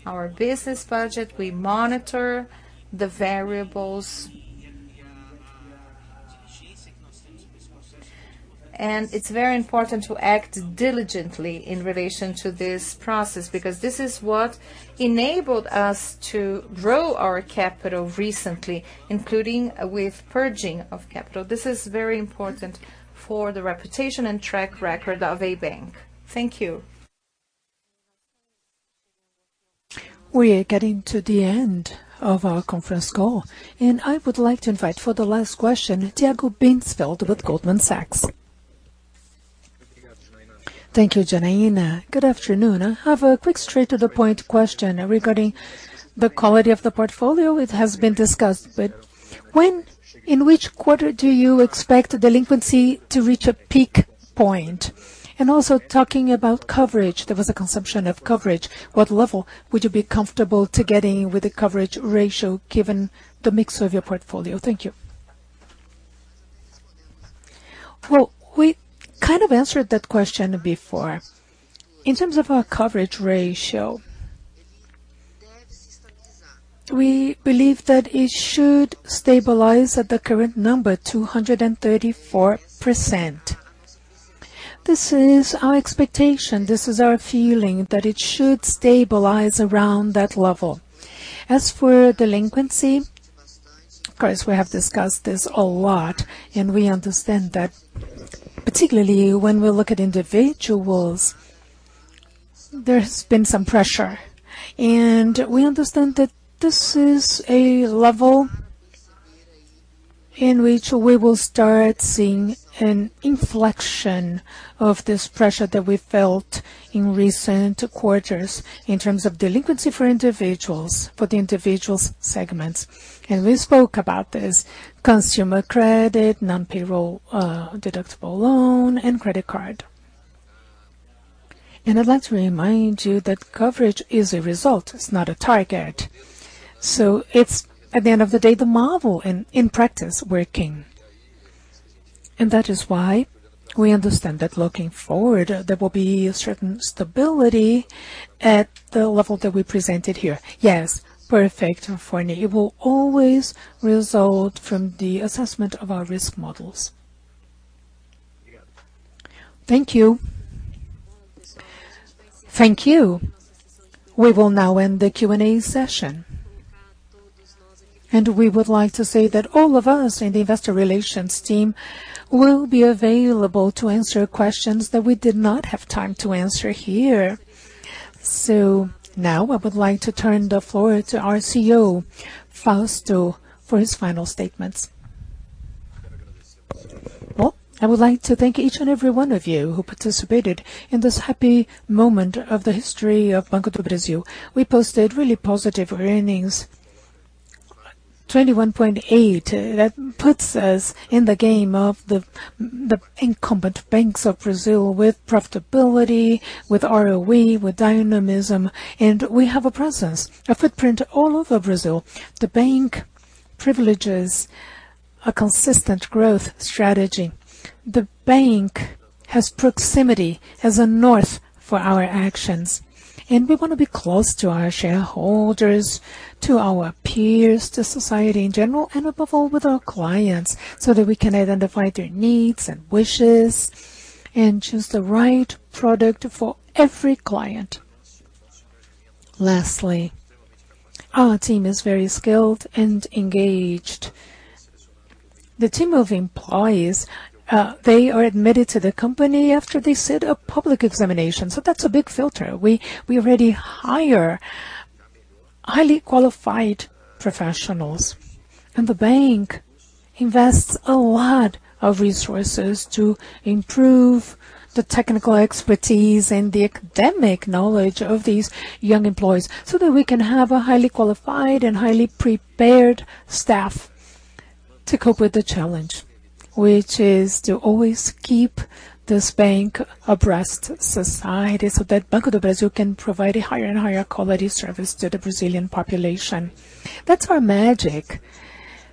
our business budget. We monitor the variables. It's very important to act diligently in relation to this process because this is what enabled us to grow our capital recently, including with purging of capital. This is very important for the reputation and track record of a bank. Thank you. We are getting to the end of our conference call, and I would like to invite for the last question, Tiago Binsfeld with Goldman Sachs. Thank you, Janaína. Good afternoon. I have a quick straight-to-the-point question regarding the quality of the portfolio. It has been discussed, but in which quarter do you expect delinquency to reach a peak point? And also talking about coverage, there was a consumption of coverage. What level would you be comfortable to getting with the coverage ratio given the mix of your portfolio? Thank you. Well, we kind of answered that question before. In terms of our coverage ratio, we believe that it should stabilize at the current number, 234%. This is our expectation. This is our feeling that it should stabilize around that level. As for delinquency, of course, we have discussed this a lot, and we understand that particularly when we look at individuals, there's been some pressure. We understand that this is a level in which we will start seeing an inflection of this pressure that we felt in recent quarters in terms of delinquency for individuals, for the individuals segments. We spoke about this consumer credit, non-payroll, deductible loan, and credit card. I'd like to remind you that coverage is a result, it's not a target. It's, at the end of the day, the model in practice working. That is why we understand that looking forward, there will be a certain stability at the level that we presented here. Yes. Perfect, Ricardo. It will always result from the assessment of our risk models. Thank you. Thank you. We will now end the Q&A session. We would like to say that all of us in the investor relations team will be available to answer questions that we did not have time to answer here. Now I would like to turn the floor to our CEO, Fausto, for his final statements. Well, I would like to thank each and every one of you who participated in this happy moment of the history of Banco do Brasil. We posted really positive earnings, 21.8%. That puts us in the game of the incumbent banks of Brazil with profitability, with ROE, with dynamism. We have a presence, a footprint all over Brazil. The bank privileges a consistent growth strategy. The bank has proximity as a north for our actions, and we wanna be close to our shareholders, to our peers, to society in general, and above all, with our clients, so that we can identify their needs and wishes and choose the right product for every client. Lastly, our team is very skilled and engaged. The team of employees, they are admitted to the company after they sit a public examination, so that's a big filter. We already hire highly qualified professionals. The bank invests a lot of resources to improve the technical expertise and the academic knowledge of these young employees, so that we can have a highly qualified and highly prepared staff to cope with the challenge. Which is to always keep this bank abreast society, so that Banco do Brasil can provide a higher and higher quality service to the Brazilian population. That's our magic.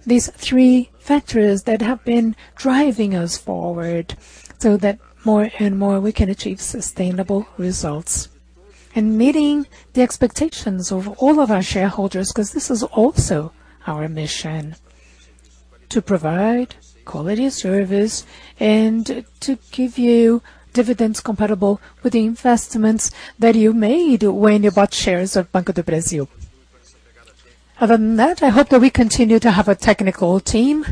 These three factors that have been driving us forward so that more and more we can achieve sustainable results. Meeting the expectations of all of our shareholders, 'cause this is also our mission, to provide quality service and to give you dividends comparable with the investments that you made when you bought shares of Banco do Brasil. Other than that, I hope that we continue to have a technical team,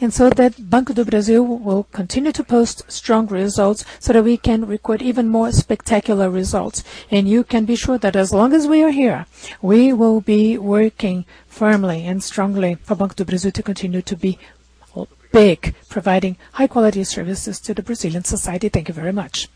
and so that Banco do Brasil will continue to post strong results so that we can record even more spectacular results. You can be sure that as long as we are here, we will be working firmly and strongly for Banco do Brasil to continue to be, well, big, providing high quality services to the Brazilian society. Thank you very much.